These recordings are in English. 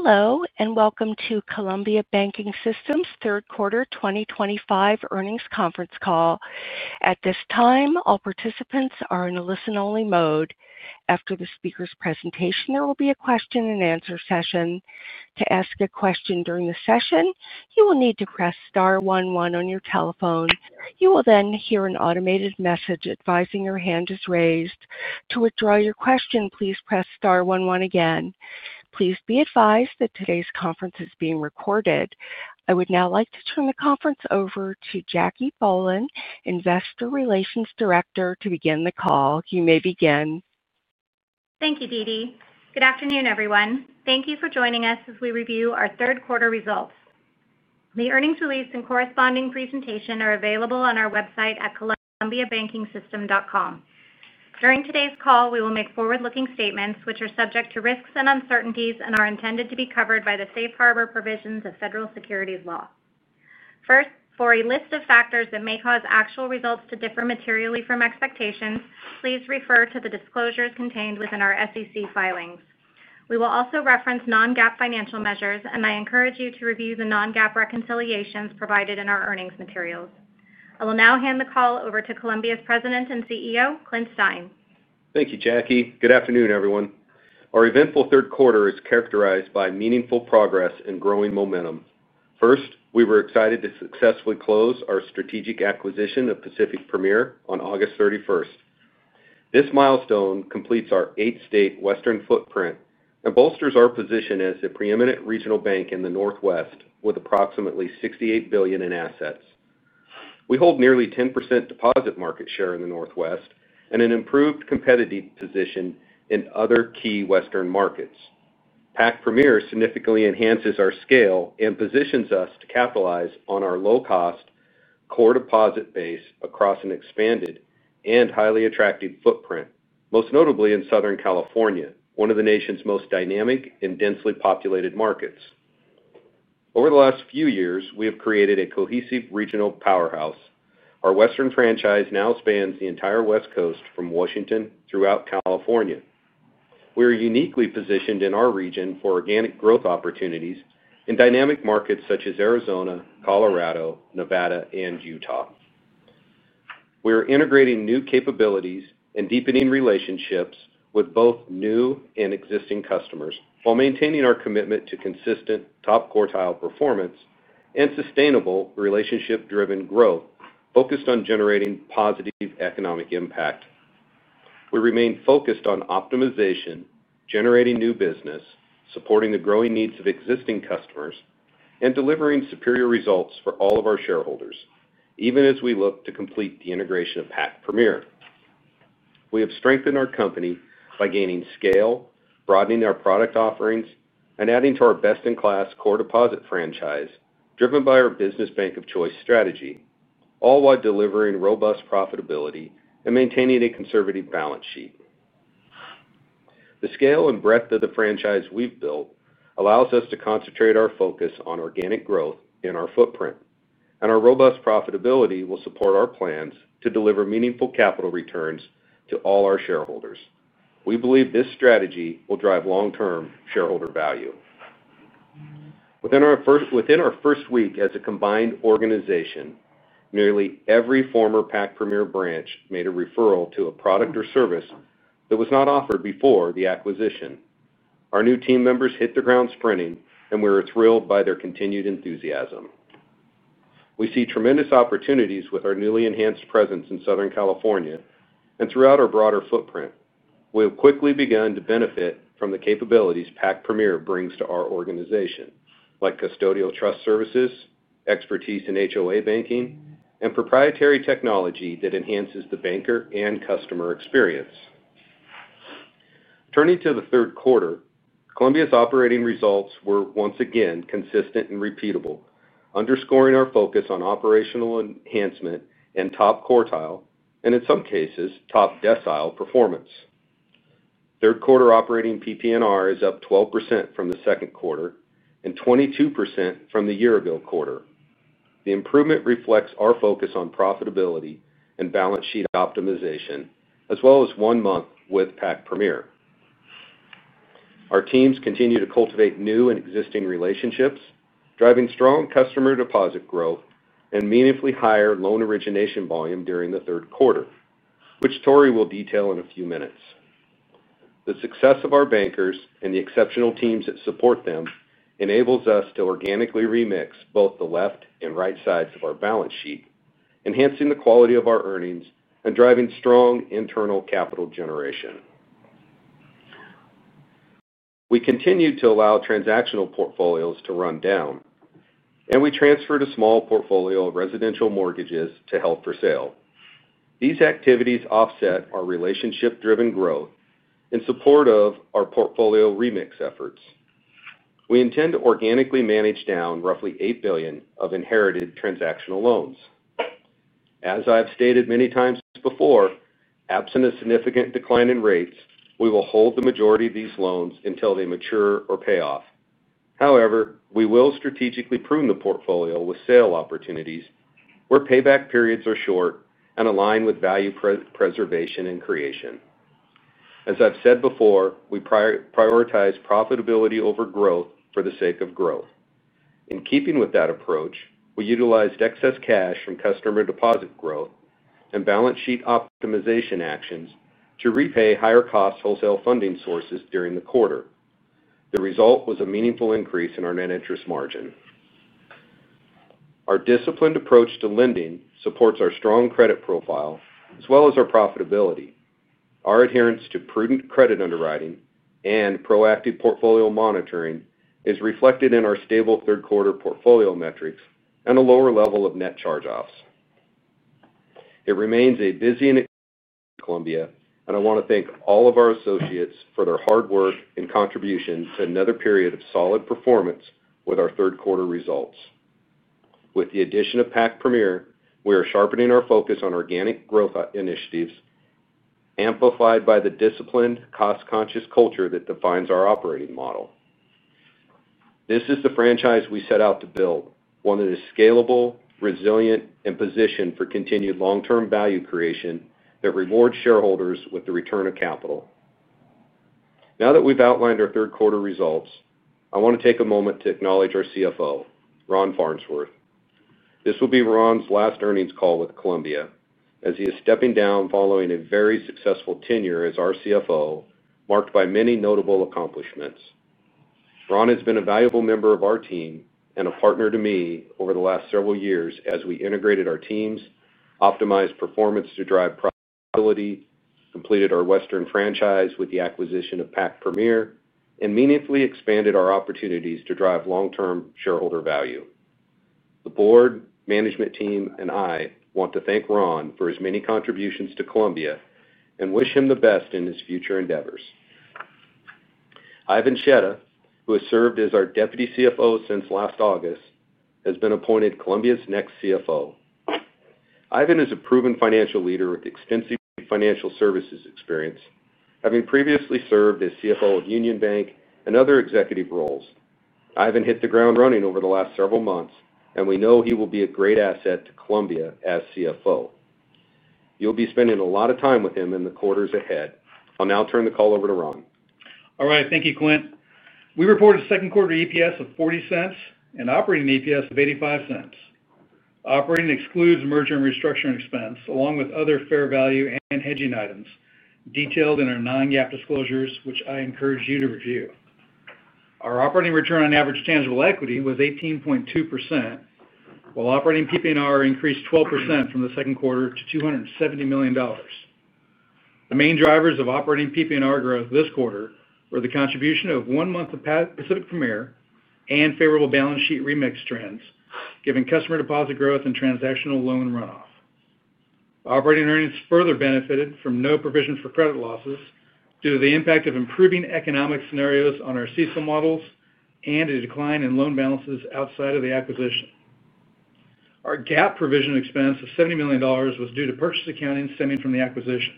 Hello, and welcome to Columbia Banking System's Third Quarter 2025 earnings conference call. At this time, all participants are in a listen-only mode. After the speaker's presentation, there will be a question-and-answer session. To ask a question during the session, you will need to press Star 11 on your telephone. You will then hear an automated message advising your hand is raised. To withdraw your question, please press Star 11 again. Please be advised that today's conference is being recorded. I would now like to turn the conference over to Jackie Bohlen, Investor Relations Director, to begin the call. You may begin. Thank you, Dee Dee. Good afternoon, everyone. Thank you for joining us as we review our third quarter results. The earnings release and corresponding presentation are available on our website at columbiabankingsystem.com. During today's call, we will make forward-looking statements, which are subject to risks and uncertainties and are intended to be covered by the safe harbor provisions of federal securities law. For a list of factors that may cause actual results to differ materially from expectations, please refer to the disclosures contained within our SEC filings. We will also reference non-GAAP financial measures, and I encourage you to review the non-GAAP reconciliations provided in our earnings materials. I will now hand the call over to Columbia Banking System's President and CEO, Clint Stein. Thank you, Jackie. Good afternoon, everyone. Our eventful third quarter is characterized by meaningful progress and growing momentum. First, we were excited to successfully close our strategic acquisition of Pacific Premier Bancorp on August 31. This milestone completes our eight-state Western footprint and bolsters our position as a preeminent regional bank in the Pacific Northwest with approximately $68 billion in assets. We hold nearly 10% deposit market share in the Pacific Northwest and an improved competitive position in other key Western markets. Pacific Premier Bancorp significantly enhances our scale and positions us to capitalize on our low-cost core deposit base across an expanded and highly attractive footprint, most notably in Southern California, one of the nation's most dynamic and densely populated markets. Over the last few years, we have created a cohesive regional powerhouse. Our Western franchise now spans the entire West Coast from Washington throughout California. We are uniquely positioned in our region for organic growth opportunities in dynamic markets such as Arizona, Colorado, Nevada, and Utah. We are integrating new capabilities and deepening relationships with both new and existing customers while maintaining our commitment to consistent top quartile performance and sustainable relationship-driven growth focused on generating positive economic impact. We remain focused on optimization, generating new business, supporting the growing needs of existing customers, and delivering superior results for all of our shareholders, even as we look to complete the integration of Pacific Premier Bancorp. We have strengthened our company by gaining scale, broadening our product offerings, and adding to our best-in-class core deposit franchise driven by our business bank of choice strategy, all while delivering robust profitability and maintaining a conservative balance sheet. The scale and breadth of the franchise we've built allows us to concentrate our focus on organic growth in our footprint, and our robust profitability will support our plans to deliver meaningful capital returns to all our shareholders. We believe this strategy will drive long-term shareholder value. Within our first week as a combined organization, nearly every former Pacific Premier Bancorp branch made a referral to a product or service that was not offered before the acquisition. Our new team members hit the ground sprinting, and we were thrilled by their continued enthusiasm. We see tremendous opportunities with our newly enhanced presence in Southern California and throughout our broader footprint. We have quickly begun to benefit from the capabilities Pacific Premier Bancorp brings to our organization, like custodial trust services, expertise in HOA banking, and proprietary technology that enhances the banker and customer experience. Turning to the third quarter, Columbia's operating results were once again consistent and repeatable, underscoring our focus on operational enhancement and top quartile, and in some cases, top decile performance. Third quarter operating PP&R is up 12% from the second quarter and 22% from the year-ago quarter. The improvement reflects our focus on profitability and balance sheet optimization, as well as one month with Pacific Premier Bancorp. Our teams continue to cultivate new and existing relationships, driving strong customer deposit growth and meaningfully higher loan origination volume during the third quarter, which Tory will detail in a few minutes. The success of our bankers and the exceptional teams that support them enables us to organically remix both the left and right sides of our balance sheet, enhancing the quality of our earnings and driving strong internal capital generation. We continue to allow transactional portfolios to run down. We transferred a small portfolio of residential mortgages to held for sale. These activities offset our relationship-driven growth in support of our portfolio remix efforts. We intend to organically manage down roughly $8 billion of inherited transactional loans. As I have stated many times before, absent a significant decline in rates, we will hold the majority of these loans until they mature or pay off. However, we will strategically prune the portfolio with sale opportunities where payback periods are short and align with value preservation and creation. As I've said before, we prioritize profitability over growth for the sake of growth. In keeping with that approach, we utilized excess cash from customer deposit growth and balance sheet optimization actions to repay higher-cost wholesale funding sources during the quarter. The result was a meaningful increase in our net interest margin. Our disciplined approach to lending supports our strong credit profile as well as our profitability. Our adherence to prudent credit underwriting and proactive portfolio monitoring is reflected in our stable third-quarter portfolio metrics and a lower level of net charge-offs. It remains a busy and Columbia, and I want to thank all of our associates for their hard work and contribution to another period of solid performance with our third-quarter results. With the addition of Pacific Premier Bancorp, we are sharpening our focus on organic growth initiatives, amplified by the disciplined, cost-conscious culture that defines our operating model. This is the franchise we set out to build, one that is scalable, resilient, and positioned for continued long-term value creation that rewards shareholders with the return of capital. Now that we've outlined our third-quarter results, I want to take a moment to acknowledge our CFO, Ron Farnsworth. This will be Ron's last earnings call with Columbia, as he is stepping down following a very successful tenure as our CFO, marked by many notable accomplishments. Ron has been a valuable member of our team and a partner to me over the last several years as we integrated our teams, optimized performance to drive profitability, completed our Western franchise with the acquisition of Pacific Premier Bancorp, and meaningfully expanded our opportunities to drive long-term shareholder value. The board, management team, and I want to thank Ron for his many contributions to Columbia and wish him the best in his future endeavors. Ivan Seda, who has served as our Deputy CFO since last August, has been appointed Columbia's next CFO. Ivan is a proven financial leader with extensive financial services experience. Having previously served as CFO of UnionBank and other executive roles, Ivan hit the ground running over the last several months, and we know he will be a great asset to Columbia as CFO. You'll be spending a lot of time with him in the quarters ahead. I'll now turn the call over to Ron. All right. Thank you, Clint. We reported a second-quarter EPS of $0.40 and operating EPS of $0.85. Operating excludes merger and restructuring expense, along with other fair value and hedging items detailed in our non-GAAP disclosures, which I encourage you to review. Our operating return on average tangible equity was 18.2%, while operating PP&R increased 12% from the second quarter to $270 million. The main drivers of operating PP&R growth this quarter were the contribution of one month of Pacific Premier and favorable balance sheet remix trends, giving customer deposit growth and transactional loan runoff. Operating earnings further benefited from no provision for credit losses due to the impact of improving economic scenarios on our CESO models and a decline in loan balances outside of the acquisition. Our GAAP provision expense of $70 million was due to purchase accounting stemming from the acquisition.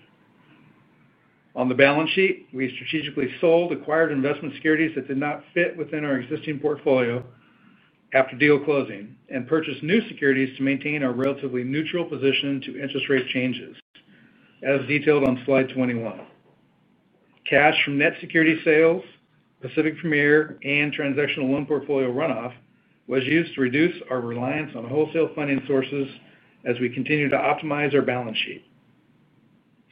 On the balance sheet, we strategically sold acquired investment securities that did not fit within our existing portfolio after deal closing and purchased new securities to maintain a relatively neutral position to interest rate changes, as detailed on slide 21. Cash from net security sales, Pacific Premier, and transactional loan portfolio runoff was used to reduce our reliance on wholesale funding sources as we continue to optimize our balance sheet.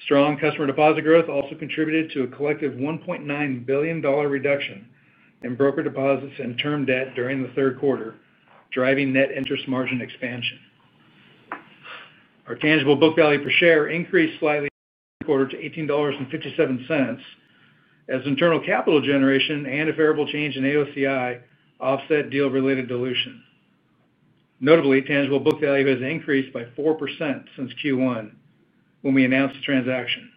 Strong customer deposit growth also contributed to a collective $1.9 billion reduction in broker deposits and term debt during the third quarter, driving net interest margin expansion. Our tangible book value per share increased slightly in the third quarter to $18.57, as internal capital generation and a favorable change in AOCI offset deal-related dilution. Notably, tangible book value has increased by 4% since Q1 when we announced the transaction.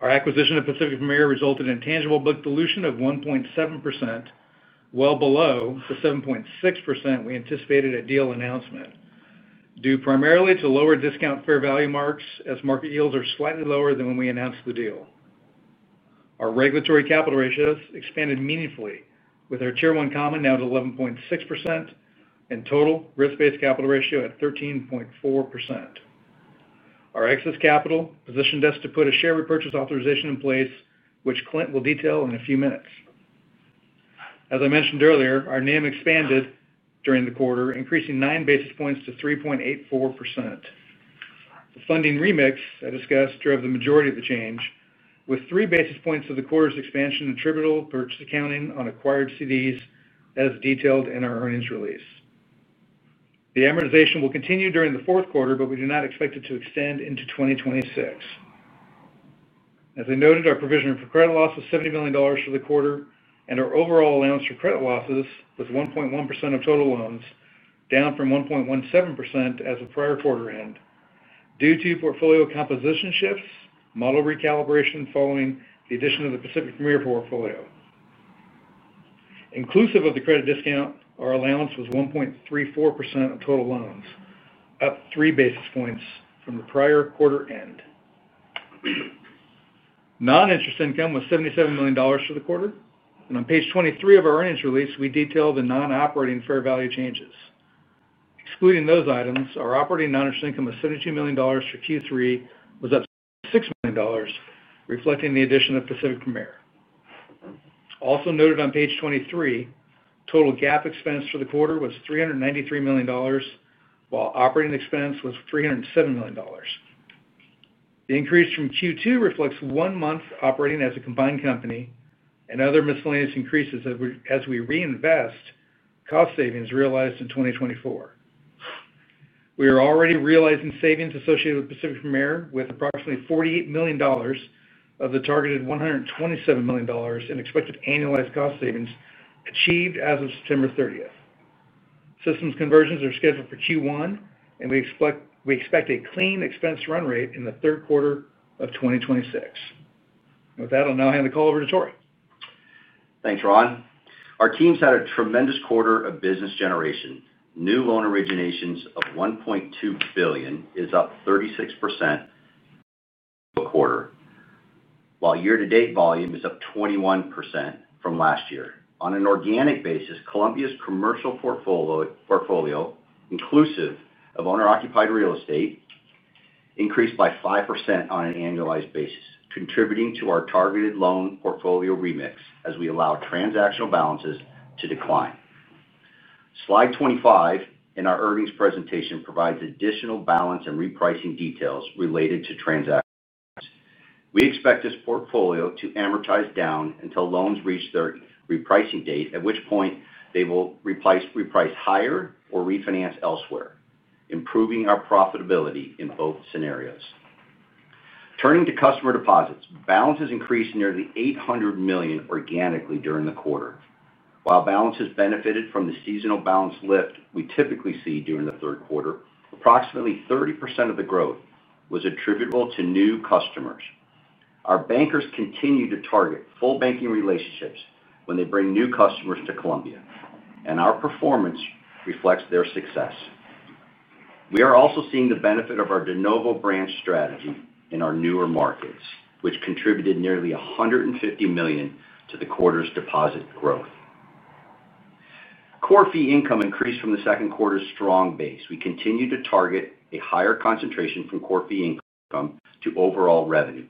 Our acquisition of Pacific Premier resulted in tangible book dilution of 1.7%, well below the 7.6% we anticipated at deal announcement, due primarily to lower discount fair value marks as market yields are slightly lower than when we announced the deal. Our regulatory capital ratios expanded meaningfully, with our tier one common now at 11.6% and total risk-based capital ratio at 13.4%. Our excess capital positioned us to put a share repurchase authorization in place, which Clint will detail in a few minutes. As I mentioned earlier, our NIM expanded during the quarter, increasing nine basis points to 3.84%. The funding remix I discussed drove the majority of the change, with three basis points of the quarter's expansion attributable to purchase accounting on acquired CDs, as detailed in our earnings release. The amortization will continue during the fourth quarter, but we do not expect it to extend into 2026. As I noted, our provision for credit loss was $70 million for the quarter, and our overall allowance for credit losses was 1.1% of total loans, down from 1.17% as of prior quarter end, due to portfolio composition shifts, model recalibration following the addition of the Pacific Premier portfolio. Inclusive of the credit discount, our allowance was 1.34% of total loans, up three basis points from the prior quarter end. Non-interest income was $77 million for the quarter. On page 23 of our earnings release, we detailed the non-operating fair value changes. Excluding those items, our operating non-interest income of $72 million for Q3 was up $6 million, reflecting the addition of Pacific Premier. Also noted on page 23, total GAAP expense for the quarter was $393 million, while operating expense was $307 million. The increase from Q2 reflects one month operating as a combined company and other miscellaneous increases as we reinvest. Cost savings realized in 2024. We are already realizing savings associated with Pacific Premier with approximately $48 million of the targeted $127 million in expected annualized cost savings achieved as of September 30. Systems conversions are scheduled for Q1, and we expect a clean expense run rate in the third quarter of 2026. With that, I'll now hand the call over to Tory. Thanks, Ron. Our teams had a tremendous quarter of business generation. New loan originations of $1.2 billion is up 36% a quarter, while year-to-date volume is up 21% from last year. On an organic basis, Columbia's commercial portfolio, inclusive of owner-occupied real estate, increased by 5% on an annualized basis, contributing to our targeted loan portfolio remix as we allow transactional balances to decline. Slide 25 in our earnings presentation provides additional balance and repricing details related to transactions. We expect this portfolio to amortize down until loans reach their repricing date, at which point they will reprice higher or refinance elsewhere, improving our profitability in both scenarios. Turning to customer deposits, balances increased nearly $800 million organically during the quarter. While balances benefited from the seasonal balance lift we typically see during the third quarter, approximately 30% of the growth was attributable to new customers. Our bankers continue to target full banking relationships when they bring new customers to Columbia, and our performance reflects their success. We are also seeing the benefit of our de novo branch strategy in our newer markets, which contributed nearly $150 million to the quarter's deposit growth. Core fee income increased from the second quarter's strong base. We continue to target a higher concentration from core fee income to overall revenue.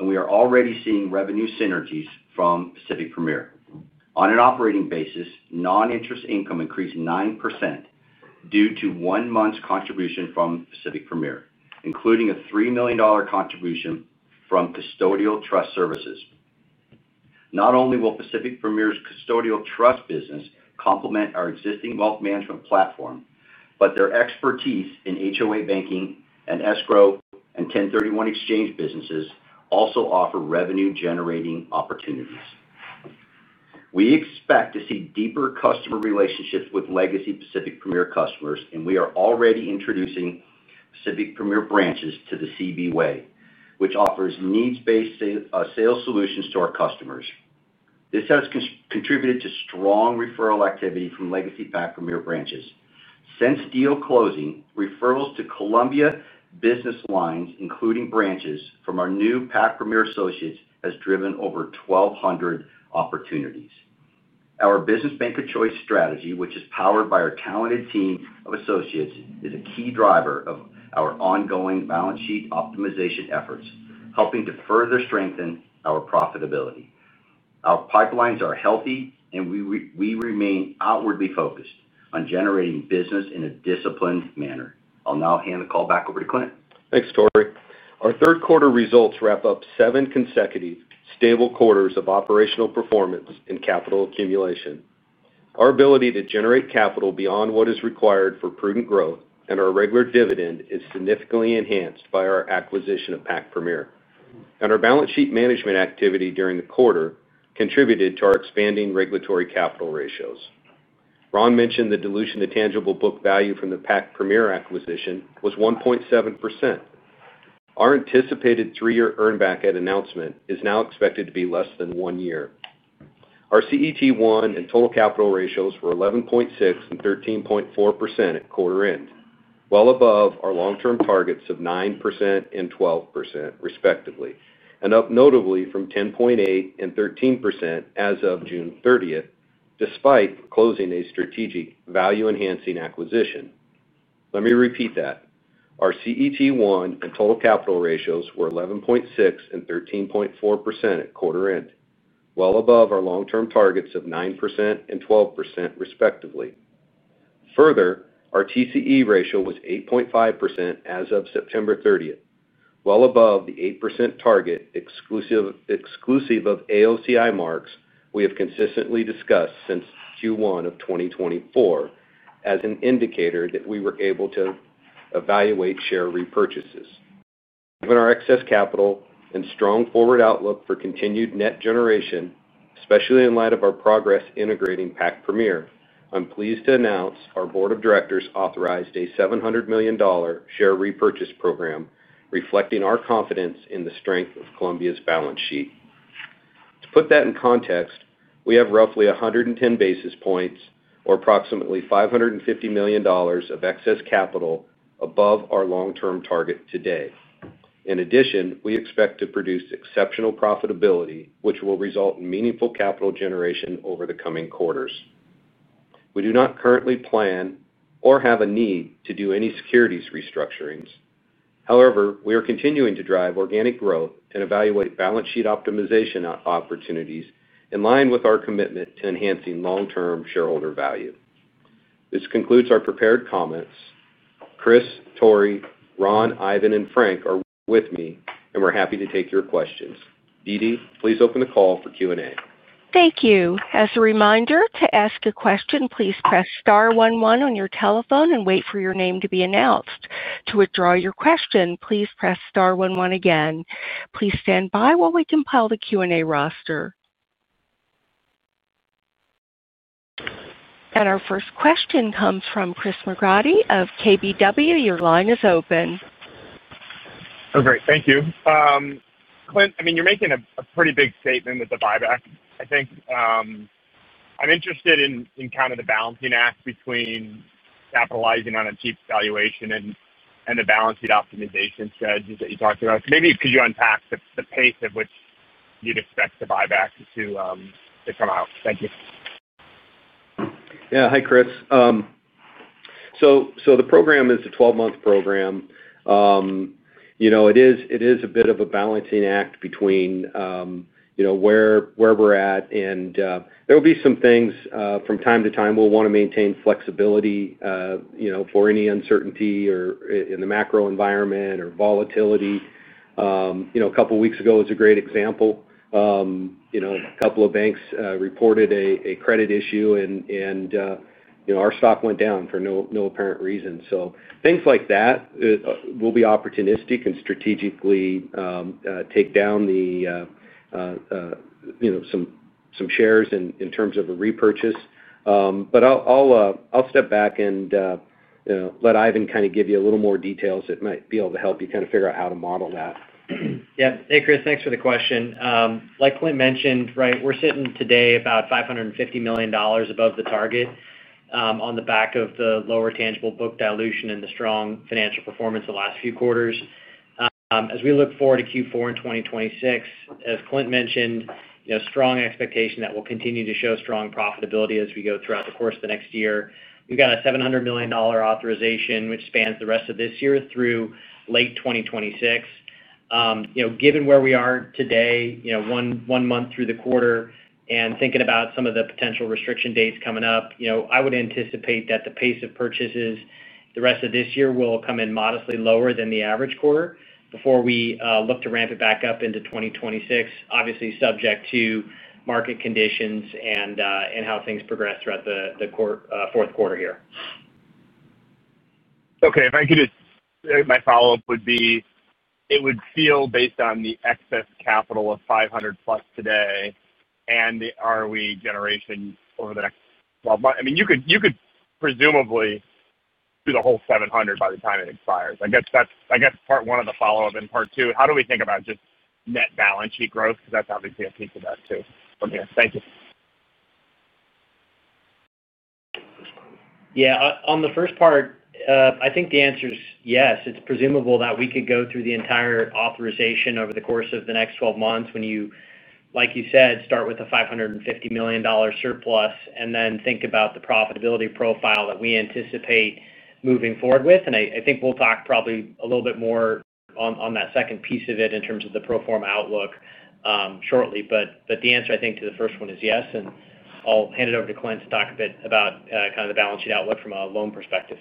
We are already seeing revenue synergies from Pacific Premier Bancorp. On an operating basis, non-interest income increased 9% due to one month's contribution from Pacific Premier Bancorp, including a $3 million contribution from custodial trust services. Not only will Pacific Premier Bancorp's custodial trust business complement our existing wealth management platform, but their expertise in HOA banking and escrow and 1031 exchange businesses also offer revenue-generating opportunities. We expect to see deeper customer relationships with legacy Pacific Premier Bancorp customers, and we are already introducing Pacific Premier Bancorp branches to the CB Way, which offers needs-based sales solutions to our customers. This has contributed to strong referral activity from legacy Pacific Premier Bancorp branches. Since deal closing, referrals to Columbia business lines, including branches from our new Pacific Premier Bancorp associates, have driven over 1,200 opportunities. Our business banker choice strategy, which is powered by our talented team of associates, is a key driver of our ongoing balance sheet optimization efforts, helping to further strengthen our profitability. Our pipelines are healthy, and we remain outwardly focused on generating business in a disciplined manner. I'll now hand the call back over to Clint. Thanks, Tory. Our third-quarter results wrap up seven consecutive stable quarters of operational performance and capital accumulation. Our ability to generate capital beyond what is required for prudent growth and our regular dividend is significantly enhanced by our acquisition of Pacific Premier Bancorp. Our balance sheet management activity during the quarter contributed to our expanding regulatory capital ratios. Ron mentioned the dilution to tangible book value from the Pacific Premier Bancorp acquisition was 1.7%. Our anticipated three-year earnback at announcement is now expected to be less than one year. Our CET1 and total capital ratios were 11.6% and 13.4% at quarter end, well above our long-term targets of 9% and 12%, respectively, and up notably from 10.8% and 13% as of June 30, 2024, despite closing a strategic value-enhancing acquisition. Let me repeat that. Our CET1 and total capital ratios were 11.6% and 13.4% at quarter end, well above our long-term targets of 9% and 12%, respectively. Further, our TCE ratio was 8.5% as of September 30, 2024, well above the 8% target exclusive of AOCI marks we have consistently discussed since Q1 2024 as an indicator that we were able to evaluate share repurchases. Given our excess capital and strong forward outlook for continued net generation, especially in light of our progress integrating Pacific Premier Bancorp, I'm pleased to announce our Board of Directors authorized a $700 million share repurchase program, reflecting our confidence in the strength of Columbia's balance sheet. To put that in context, we have roughly 110 basis points or approximately $550 million of excess capital above our long-term target today. In addition, we expect to produce exceptional profitability, which will result in meaningful capital generation over the coming quarters. We do not currently plan or have a need to do any securities restructurings. However, we are continuing to drive organic growth and evaluate balance sheet optimization opportunities in line with our commitment to enhancing long-term shareholder value. This concludes our prepared comments. Chris, Tory, Ron, Ivan, and Frank are with me, and we're happy to take your questions. Dee Dee, please open the call for Q&A. Thank you. As a reminder, to ask a question, please press star 11 on your telephone and wait for your name to be announced. To withdraw your question, please press star 11 again. Please stand by while we compile the Q&A roster. Our first question comes from Chris McGratty of KBW. Your line is open. Oh, great. Thank you. Clint, I mean, you're making a pretty big statement with the buyback, I think. I'm interested in kind of the balancing act between capitalizing on a cheap valuation and the balance sheet optimization strategies that you talked about. Maybe could you unpack the pace at which you'd expect the buyback to come out? Thank you. Yeah. Hi, Chris. The program is a 12-month program. It is a bit of a balancing act between where we're at, and there will be some things from time to time. We'll want to maintain flexibility for any uncertainty in the macro environment or volatility. A couple of weeks ago was a great example. A couple of banks reported a credit issue, and our stock went down for no apparent reason. Things like that will be opportunistic and strategically take down some shares in terms of a repurchase. I'll step back and let Ivan kind of give you a little more details that might be able to help you kind of figure out how to model that. Yeah. Hey, Chris. Thanks for the question. Like Clint mentioned, we're sitting today about $550 million above the target on the back of the lower tangible book dilution and the strong financial performance the last few quarters. As we look forward to Q4 in 2026, as Clint mentioned, strong expectation that will continue to show strong profitability as we go throughout the course of the next year. We've got a $700 million authorization, which spans the rest of this year through late 2026. Given where we are today, one month through the quarter, and thinking about some of the potential restriction dates coming up, I would anticipate that the pace of purchases the rest of this year will come in modestly lower than the average quarter before we look to ramp it back up into 2026, obviously subject to market conditions and how things progress throughout the fourth quarter here. Okay. My follow-up would be it would feel based on the excess capital of $500 million-plus today and the ROE generation over the next 12 months. I mean, you could presumably do the whole $700 million by the time it expires. I guess part one of the follow-up and part two, how do we think about just net balance sheet growth? Because that's obviously a piece of that too. Thank you. Yeah. On the first part, I think the answer is yes. It's presumable that we could go through the entire authorization over the course of the next 12 months when you, like you said, start with a $550 million surplus and then think about the profitability profile that we anticipate moving forward with. I think we'll talk probably a little bit more on that second piece of it in terms of the pro forma outlook shortly. The answer, I think, to the first one is yes. I'll hand it over to Clint to talk a bit about kind of the balance sheet outlook from a loan perspective.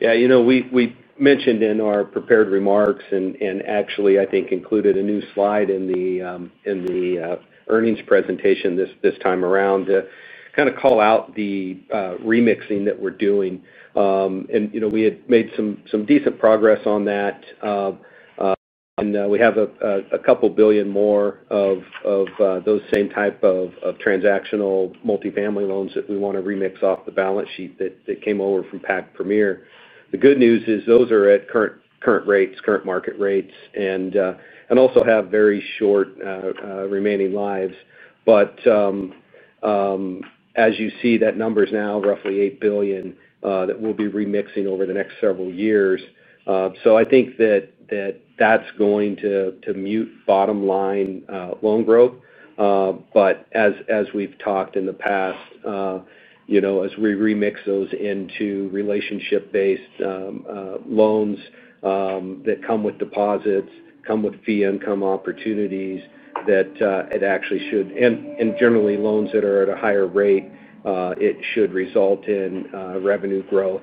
Yeah. We mentioned in our prepared remarks, and actually, I think, included a new slide in the earnings presentation this time around to kind of call out the remixing that we're doing. We had made some decent progress on that, and we have a couple of billion more of those same type of transactional multifamily loans that we want to remix off the balance sheet that came over from Pacific Premier Bancorp. The good news is those are at current rates, current market rates, and also have very short remaining lives. As you see, that number is now roughly $8 billion that we'll be remixing over the next several years. I think that that's going to mute bottom line loan growth. As we've talked in the past, as we remix those into relationship-based loans that come with deposits, come with fee income opportunities, and generally loans that are at a higher rate, it should result in revenue growth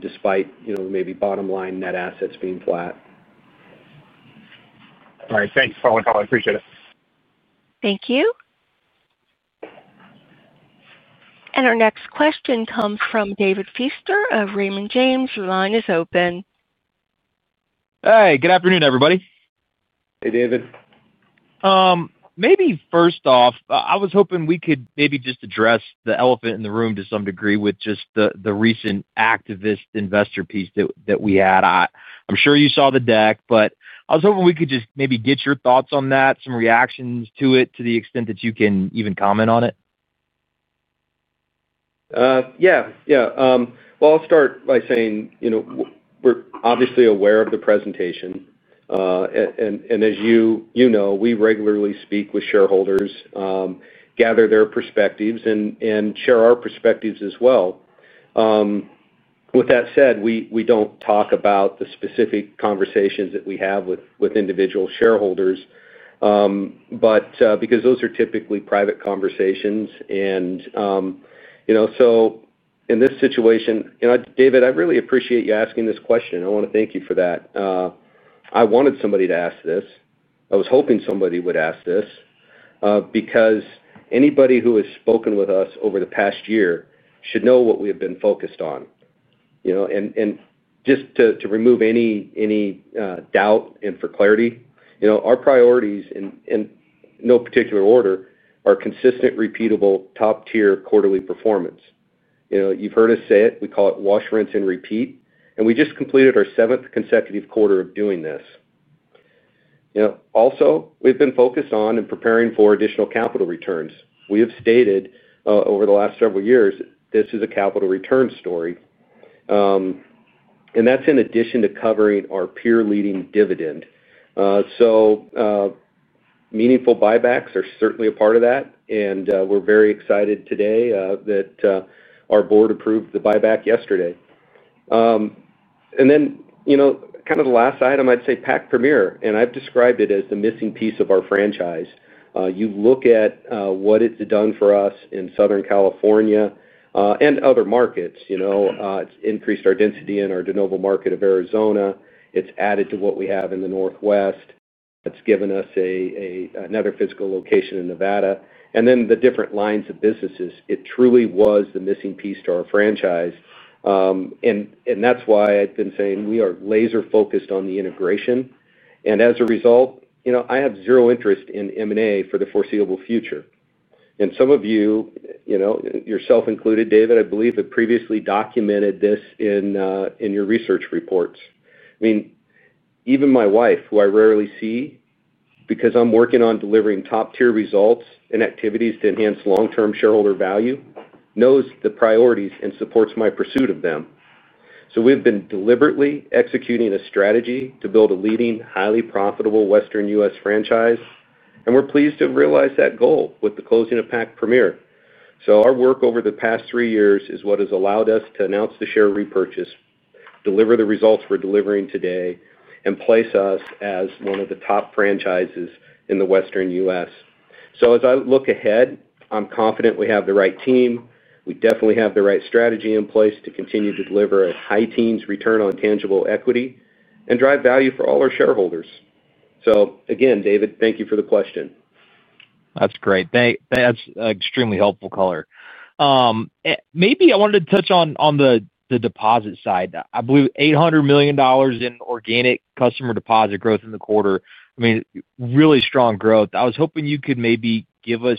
despite maybe bottom line net assets being flat. All right. Thanks, Paul. I appreciate it. Thank you. Our next question comes from David Feaster of Raymond James. The line is open. Hey, good afternoon, everybody. Hey, David. Maybe first off, I was hoping we could just address the elephant in the room to some degree with just the recent activist investor piece that we had. I'm sure you saw the deck. I was hoping we could just maybe get your thoughts on that, some reactions to it, to the extent that you can even comment on it. Yeah. I'll start by saying we're obviously aware of the presentation. As you know, we regularly speak with shareholders, gather their perspectives, and share our perspectives as well. With that said, we don't talk about the specific conversations that we have with individual shareholders because those are typically private conversations. In this situation, David, I really appreciate you asking this question. I want to thank you for that. I wanted somebody to ask this. I was hoping somebody would ask this because anybody who has spoken with us over the past year should know what we have been focused on. Just to remove any doubt and for clarity, our priorities, in no particular order, are consistent, repeatable, top-tier quarterly performance. You've heard us say it. We call it wash, rinse, and repeat, and we just completed our seventh consecutive quarter of doing this. Also, we've been focused on and preparing for additional capital returns. We have stated over the last several years this is a capital return story, and that's in addition to covering our peer-leading dividend. Meaningful buybacks are certainly a part of that, and we're very excited today that our board approved the buyback yesterday. The last item, I'd say Pac Premier, and I've described it as the missing piece of our franchise. You look at what it's done for us in Southern California and other markets. It's increased our density in our de novo market of Arizona. It's added to what we have in the Pacific Northwest. It's given us another physical location in Nevada. The different lines of businesses, it truly was the missing piece to our franchise. That's why I've been saying we are laser-focused on the integration. As a result, I have zero interest in M&A for the foreseeable future. Some of you, yourself included, David, I believe, have previously documented this in your research reports. I mean, even my wife, who I rarely see because I'm working on delivering top-tier results and activities to enhance long-term shareholder value, knows the priorities and supports my pursuit of them. We've been deliberately executing a strategy to build a leading, highly profitable Western U.S. franchise, and we're pleased to have realized that goal with the closing of Pac Premier. Our work over the past three years is what has allowed us to announce the share repurchase, deliver the results we're delivering today, and place us as one of the top franchises in the Western U.S. As I look ahead, I'm confident we have the right team. We definitely have the right strategy in place to continue to deliver a high teens return on tangible equity and drive value for all our shareholders. Again, David, thank you for the question. That's great. That's extremely helpful, Clint. Maybe I wanted to touch on the deposit side. I believe $800 million in organic customer deposit growth in the quarter. I mean, really strong growth. I was hoping you could maybe give us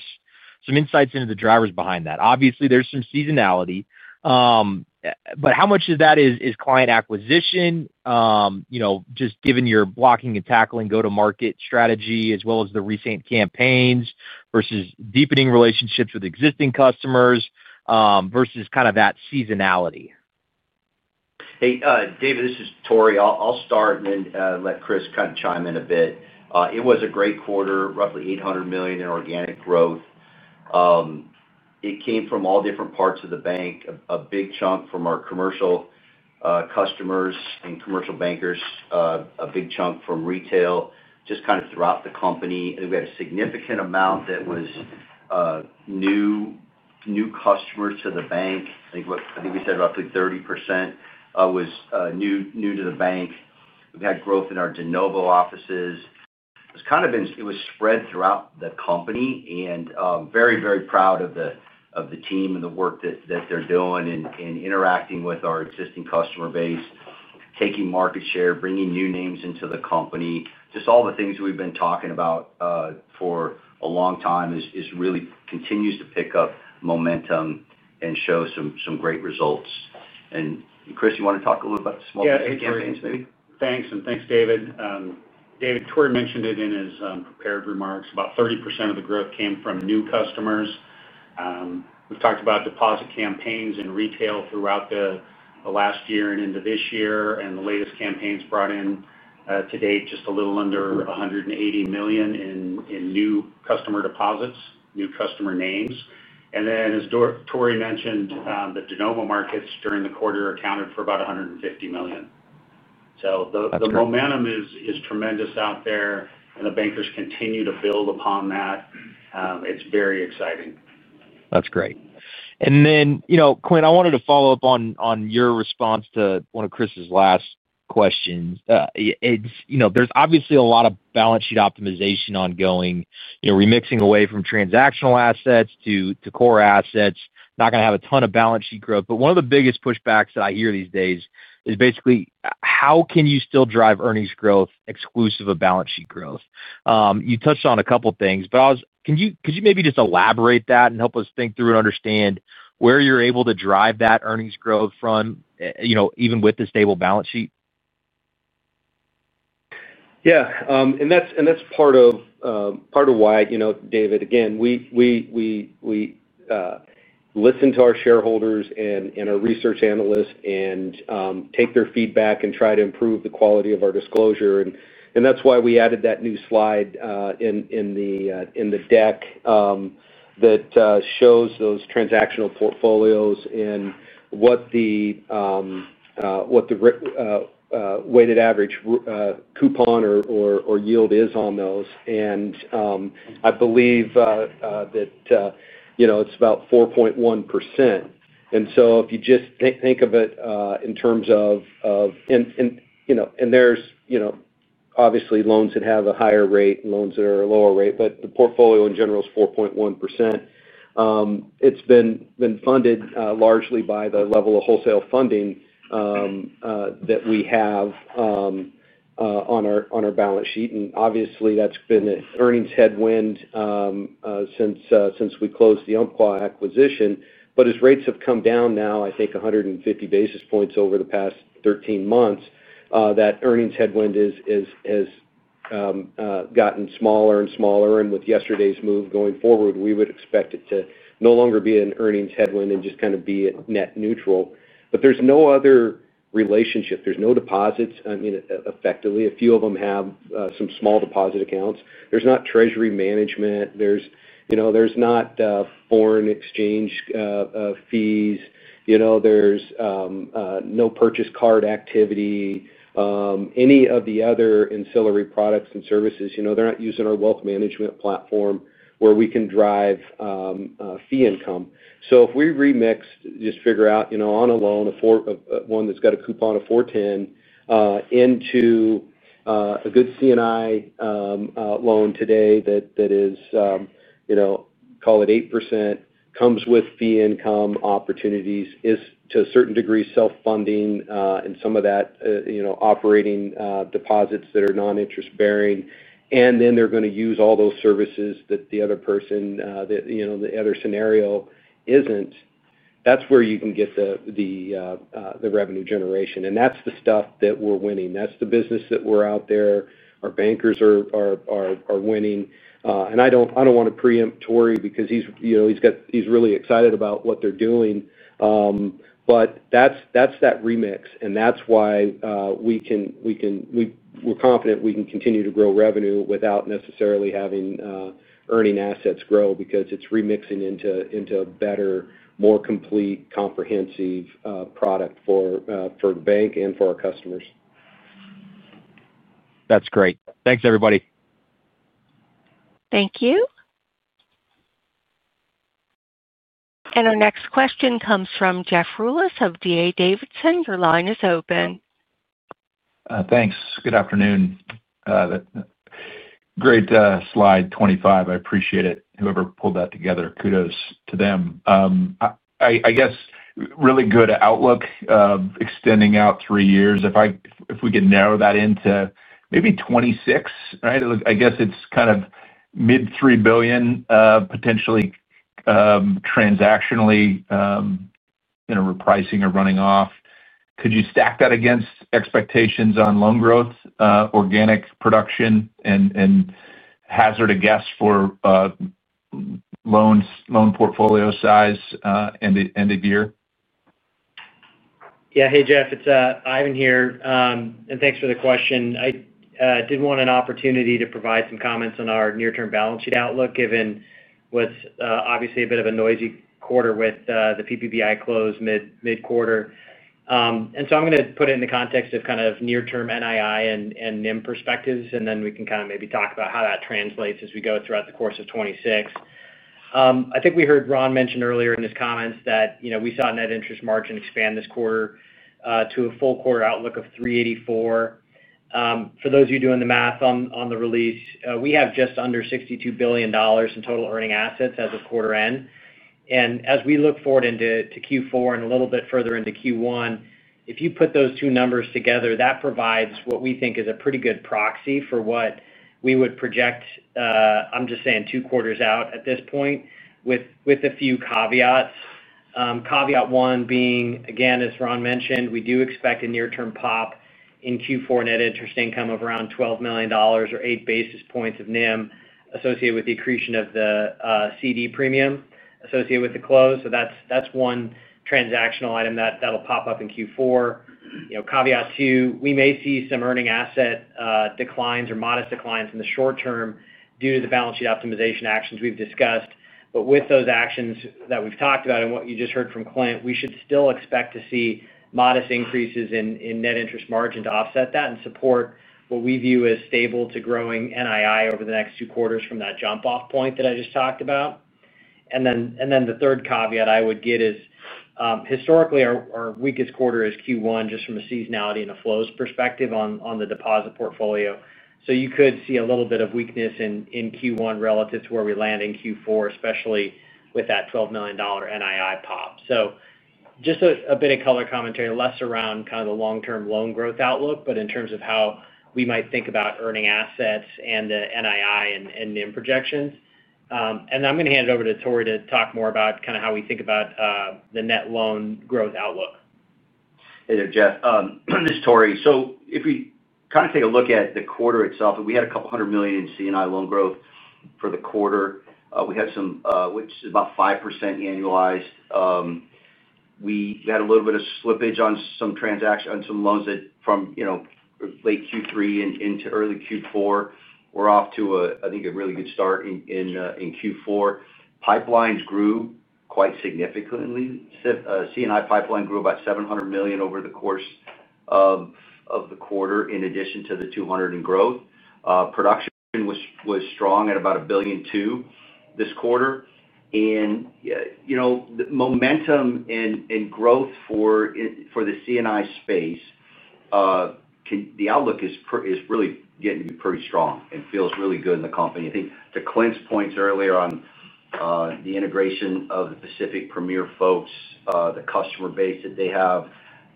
some insights into the drivers behind that. Obviously, there's some seasonality. How much of that is client acquisition, just given your blocking and tackling, go-to-market strategy, as well as the recent campaigns versus deepening relationships with existing customers versus kind of that seasonality? Hey, David, this is Tory. I'll start and then let Chris kind of chime in a bit. It was a great quarter, roughly $800 million in organic growth. It came from all different parts of the bank, a big chunk from our commercial customers and commercial bankers, a big chunk from retail, just kind of throughout the company. I think we had a significant amount that was new customers to the bank. I think we said roughly 30% was new to the bank. We've had growth in our de novo offices. It was spread throughout the company. I'm very, very proud of the team and the work that they're doing in interacting with our existing customer base, taking market share, bringing new names into the company. Just all the things we've been talking about for a long time really continue to pick up momentum and show some great results. Chris, you want to talk a little about the small campaigns maybe? Yeah. Thanks. And thanks, David. Tory mentioned it in his prepared remarks. About 30% of the growth came from new customers. We've talked about deposit campaigns in retail throughout the last year and into this year. The latest campaigns brought in to date just a little under $180 million in new customer deposits, new customer names. As Tory mentioned, the de novo markets during the quarter accounted for about $150 million. The momentum is tremendous out there, and the bankers continue to build upon that. It's very exciting. That's great. Clint, I wanted to follow up on your response to one of Chris's last questions. There's obviously a lot of balance sheet optimization ongoing, remixing away from transactional assets to core assets, not going to have a ton of balance sheet growth. One of the biggest pushbacks that I hear these days is basically, how can you still drive earnings growth exclusive of balance sheet growth? You touched on a couple of things, could you maybe just elaborate that and help us think through and understand where you're able to drive that earnings growth from, even with the stable balance sheet? Yeah. That's part of why, David. We listen to our shareholders and our research analysts and take their feedback and try to improve the quality of our disclosure. That's why we added that new slide in the deck that shows those transactional portfolios and what the weighted average coupon or yield is on those. I believe that it's about 4.1%. If you just think of it in terms of, there's obviously loans that have a higher rate and loans that are a lower rate, but the portfolio in general is 4.1%. It's been funded largely by the level of wholesale funding that we have on our balance sheet. Obviously, that's been an earnings headwind since we closed the acquisition. As rates have come down now, I think 150 basis points over the past 13 months, that earnings headwind has gotten smaller and smaller. With yesterday's move going forward, we would expect it to no longer be an earnings headwind and just kind of be net neutral. There's no other relationship. There's no deposits, I mean, effectively. A few of them have some small deposit accounts. There's not treasury management. There's not foreign exchange fees. There's no purchase card activity, any of the other ancillary products and services. They're not using our wealth management platform where we can drive fee income. If we remixed, just figure out on a loan, one that's got a coupon of 4.10% into a good C&I loan today that is, call it 8%, comes with fee income opportunities, is to a certain degree self-funding, and some of that operating deposits that are non-interest-bearing, and then they're going to use all those services that the other person, the other scenario isn't. That's where you can get the revenue generation. That's the stuff that we're winning. That's the business that we're out there. Our bankers are winning. I don't want to preempt Tory because he's really excited about what they're doing. That's that remix. That's why we can, we're confident we can continue to grow revenue without necessarily having earning assets grow because it's remixing into a better, more complete, comprehensive product for the bank and for our customers. That's great. Thanks, everybody. Thank you. Our next question comes from Jeff Rulis of D.A. Davidson. Your line is open. Thanks. Good afternoon. Great slide 25. I appreciate it. Whoever pulled that together, kudos to them. I guess really good outlook of extending out three years. If we could narrow that into maybe 2026, right? I guess it's kind of mid-$3 billion potentially. Transactionally, repricing or running off. Could you stack that against expectations on loan growth, organic production, and hazard a guess for loan portfolio size end of year? Yeah. Hey, Jeff. It's Ivan here. Thanks for the question. I did want an opportunity to provide some comments on our near-term balance sheet outlook given what's obviously a bit of a noisy quarter with the PPBI close mid-quarter. I'm going to put it in the context of kind of near-term NII and NIM perspectives. Then we can maybe talk about how that translates as we go throughout the course of 2026. I think we heard Ron mention earlier in his comments that we saw a net interest margin expand this quarter to a full quarter outlook of 3.84%. For those of you doing the math on the release, we have just under $62 billion in total earning assets as of quarter end. As we look forward into Q4 and a little bit further into Q1, if you put those two numbers together, that provides what we think is a pretty good proxy for what we would project, I'm just saying, two quarters out at this point with a few caveats. Caveat one being, again, as Ron mentioned, we do expect a near-term pop in Q4 net interest income of around $12 million or 8 basis points of NIM associated with the accretion of the CD premium associated with the close. That's one transactional item that'll pop up in Q4. Caveat two, we may see some earning asset declines or modest declines in the short term due to the balance sheet optimization actions we've discussed. With those actions that we've talked about and what you just heard from Clint, we should still expect to see modest increases in net interest margin to offset that and support what we view as stable to growing NII over the next two quarters from that jump-off point that I just talked about. The third caveat I would get is, historically, our weakest quarter is Q1 just from a seasonality and a flows perspective on the deposit portfolio. You could see a little bit of weakness in Q1 relative to where we land in Q4, especially with that $12 million NII pop. Just a bit of color commentary, less around kind of the long-term loan growth outlook, but in terms of how we might think about earning assets and the NII and NIM projections. I'm going to hand it over to Tory to talk more about kind of how we think about the net loan growth outlook. Hey there, Jeff. This is Tory. If we kind of take a look at the quarter itself, we had a couple hundred million in C&I loan growth for the quarter, which is about 5% annualized. We had a little bit of slippage on some loans from late Q3 into early Q4. We're off to, I think, a really good start in Q4. Pipelines grew quite significantly. C&I pipeline grew about $700 million over the course of the quarter in addition to the $200 million in growth. Production was strong at about $1 billion too this quarter. The momentum and growth for the C&I space, the outlook is really getting pretty strong and feels really good in the company. I think to Clint's points earlier on, the integration of the Pacific Premier folks, the customer base that they have,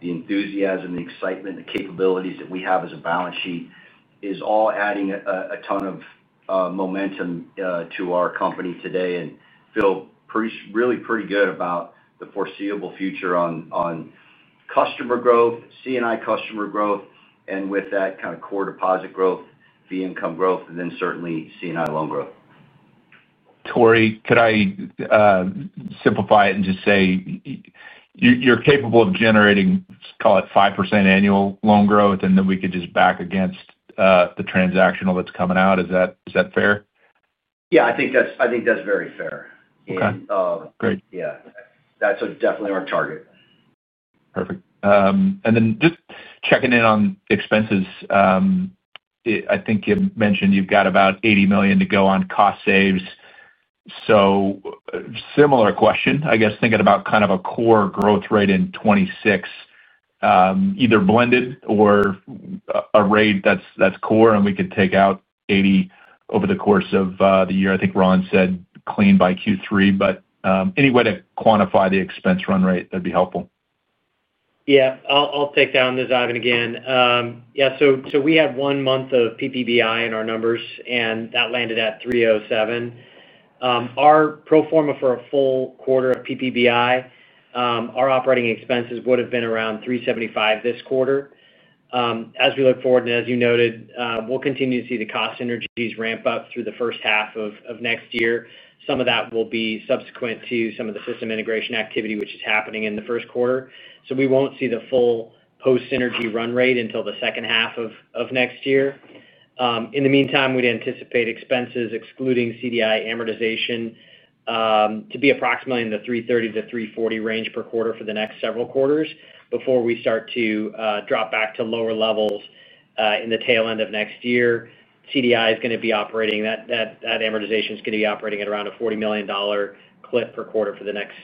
the enthusiasm, the excitement, the capabilities that we have as a balance sheet is all adding a ton of momentum to our company today and feel really pretty good about the foreseeable future on customer growth, C&I customer growth, and with that kind of core deposit growth, fee income growth, and then certainly C&I loan growth. Tory, could I simplify it and just say you're capable of generating, call it, 5% annual loan growth, and then we could just back against the transactional that's coming out. Is that fair? Yeah, I think that's very fair. Okay. Great. Yeah, that's definitely our target. Perfect. Just checking in on expenses. I think you mentioned you've got about $80 million to go on cost saves. Similar question, I guess, thinking about kind of a core growth rate in 2026, either blended or a rate that's core and we could take out $80 million over the course of the year. I think Ron said clean by Q3, but any way to quantify the expense run rate, that'd be helpful. Yeah. I'll take down this, Ivan, again. Yeah. We had one month of PPBI in our numbers, and that landed at $307 million. Our pro forma for a full quarter of PPBI, our operating expenses would have been around $375 million this quarter. As we look forward, and as you noted, we'll continue to see the cost synergies ramp up through the first half of next year. Some of that will be subsequent to some of the system integration activity, which is happening in the first quarter. We won't see the full post-synergy run rate until the second half of next year. In the meantime, we'd anticipate expenses, excluding CDI amortization, to be approximately in the $330 million to $340 million range per quarter for the next several quarters before we start to drop back to lower levels in the tail end of next year. CDI amortization is going to be operating at around a $40 million clip per quarter for the next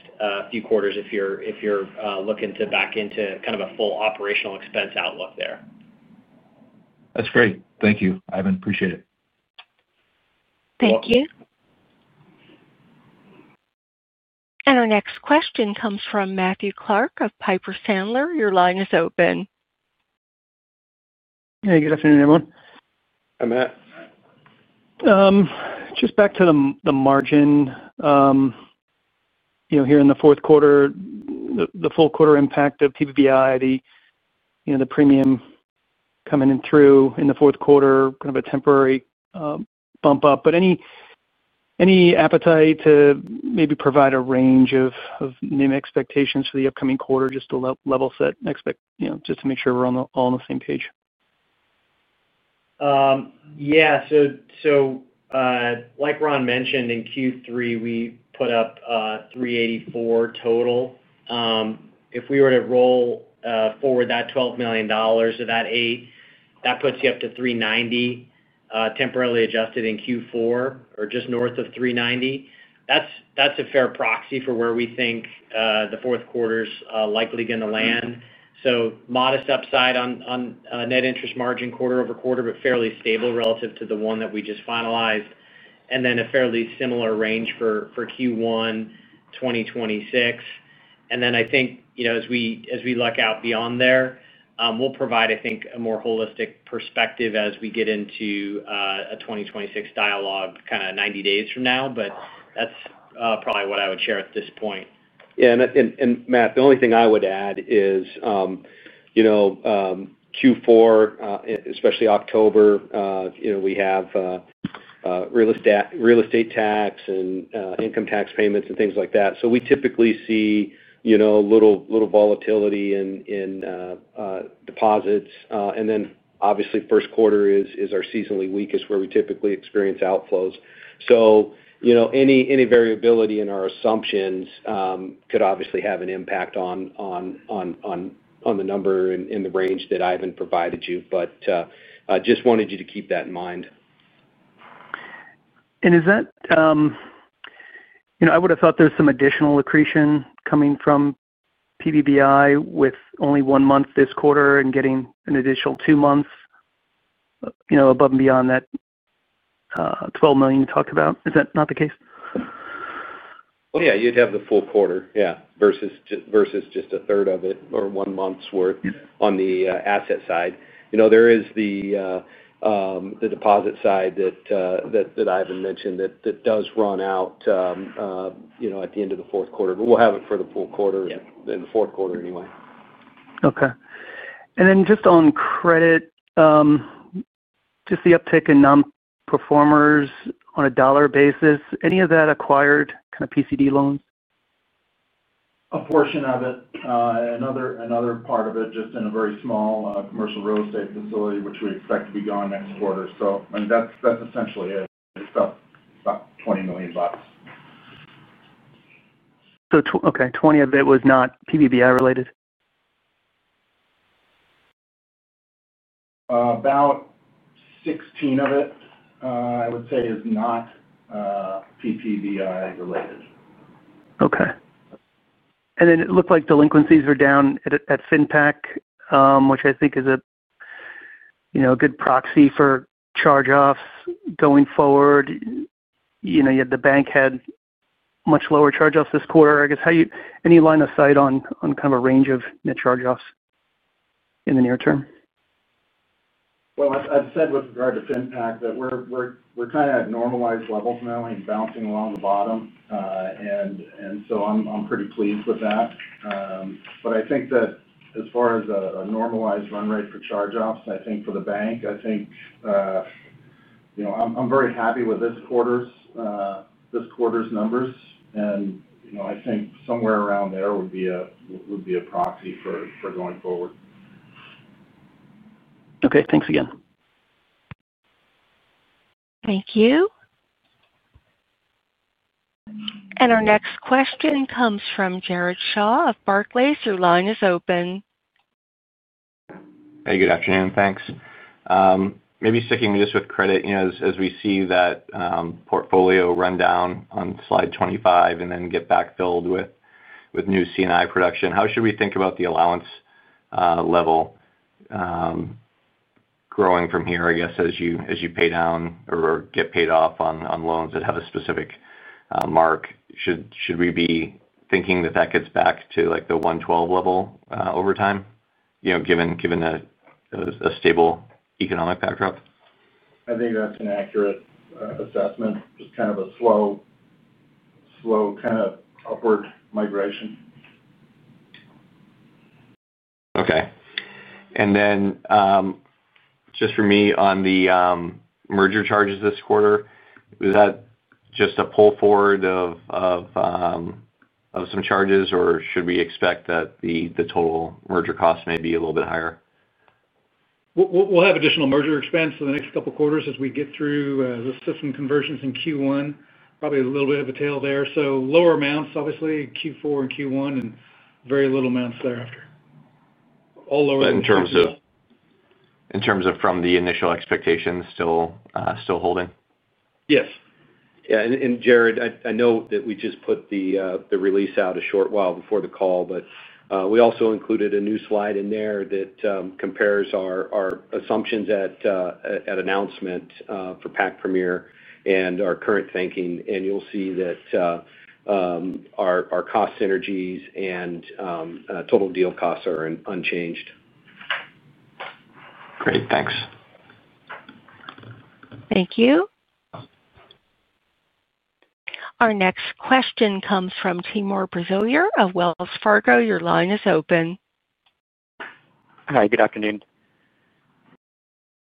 few quarters if you're looking to back into kind of a full operational expense outlook there. That's great. Thank you, Ivan. Appreciate it. Thank you. Our next question comes from Matthew Clark of Piper Sandler. Your line is open. Hey, good afternoon, everyone. Hi Matt. Just back to the margin here in the fourth quarter. The full quarter impact of PPBI, the premium coming in through in the fourth quarter, kind of a temporary bump up. Any appetite to maybe provide a range of NIM expectations for the upcoming quarter, just to level set, just to make sure we're all on the same page. Yeah. Like Ron mentioned, in Q3, we put up $384 million total. If we were to roll forward that $12 million or that $8 million, that puts you up to 3.90%. Temporarily adjusted in Q4 or just north of 3.90%. That's a fair proxy for where we think the fourth quarter's likely going to land. Modest upside on net interest margin quarter over quarter, but fairly stable relative to the one that we just finalized. A fairly similar range for Q1 2026. I think as we look out beyond there, we'll provide, I think, a more holistic perspective as we get into a 2026 dialogue kind of 90 days from now. That's probably what I would share at this point. Yeah. Matt, the only thing I would add is Q4, especially October, we have real estate tax and income tax payments and things like that. We typically see a little volatility in deposits. Obviously, first quarter is our seasonally weakest where we typically experience outflows. Any variability in our assumptions could obviously have an impact on the number and the range that Ivan provided you. Just wanted you to keep that in mind. I would have thought there's some additional accretion coming from Pacific Premier Bancorp with only one month this quarter and getting an additional two months above and beyond that $12 million you talked about. Is that not the case? You'd have the full quarter, yeah, versus just a third of it or one month's worth on the asset side. There is the deposit side that Ivan mentioned that does run out at the end of the fourth quarter, but we'll have it for the full quarter in the fourth quarter anyway. Okay. Just on credit, just the uptick in non-performers on a dollar basis, any of that acquired kind of PCD loans? A portion of it. Another part of it is just in a very small commercial real estate facility, which we expect to be gone next quarter. That's essentially it. It's about $20 million. Okay. $20 million of it was not PPBI related? $16 million of it, I would say, is not Pacific Premier Bancorp related. Okay. It looked like delinquencies were down at FinPac, which I think is a good proxy for charge-offs going forward. You had the bank had much lower charge-offs this quarter. I guess, any line of sight on kind of a range of net charge-offs in the near term? With regard to FinPac, we're kind of at normalized levels now and bouncing along the bottom. I'm pretty pleased with that. As far as a normalized run rate for charge-offs, I think for the bank, I'm very happy with this quarter's numbers, and I think somewhere around there would be a proxy for going forward. Okay, thanks again. Thank you. Our next question comes from Jared Shaw of Barclays. Your line is open. Hey, good afternoon. Thanks. Maybe sticking just with credit, as we see that portfolio run down on slide 25 and then get back filled with new C&I production, how should we think about the allowance level growing from here? I guess, as you pay down or get paid off on loans that have a specific mark, should we be thinking that that gets back to the 1.12% level over time, given a stable economic backdrop? I think that's an accurate assessment, just kind of a slow, kind of upward migration. Okay. Just for me on the merger charges this quarter, is that just a pull forward of some charges, or should we expect that the total merger cost may be a little bit higher? We will have additional merger expense for the next couple of quarters as we get through the system conversions in Q1. There will probably be a little bit of a tail there, with lower amounts obviously in Q4 and Q1, and very little amounts thereafter. In terms of the initial expectations, still holding? Yes. Yeah. Jared, I know that we just put the release out a short while before the call, but we also included a new slide in there that compares our assumptions at announcement for Pacific Premier Bancorp and our current thinking. You'll see that our cost synergies and total deal costs are unchanged. Great, thanks. Thank you. Our next question comes from Timur Braziler of Wells Fargo. Your line is open. Hi, good afternoon.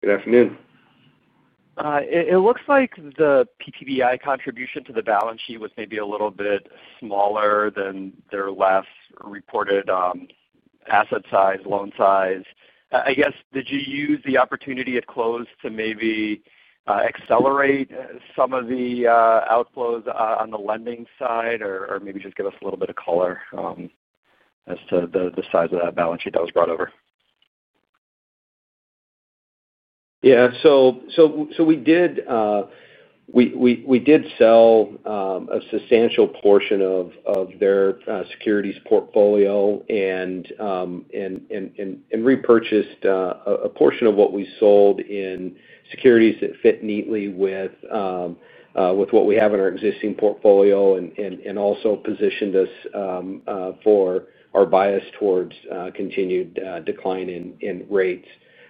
Good afternoon. It looks like the PPBI contribution to the balance sheet was maybe a little bit smaller than their last reported asset size, loan size. I guess, did you use the opportunity at close to maybe accelerate some of the outflows on the lending side or maybe just give us a little bit of color as to the size of that balance sheet that was brought over? Yeah. We did sell a substantial portion of their securities portfolio and repurchased a portion of what we sold in securities that fit neatly with what we have in our existing portfolio and also positioned us for our bias towards continued decline in rates.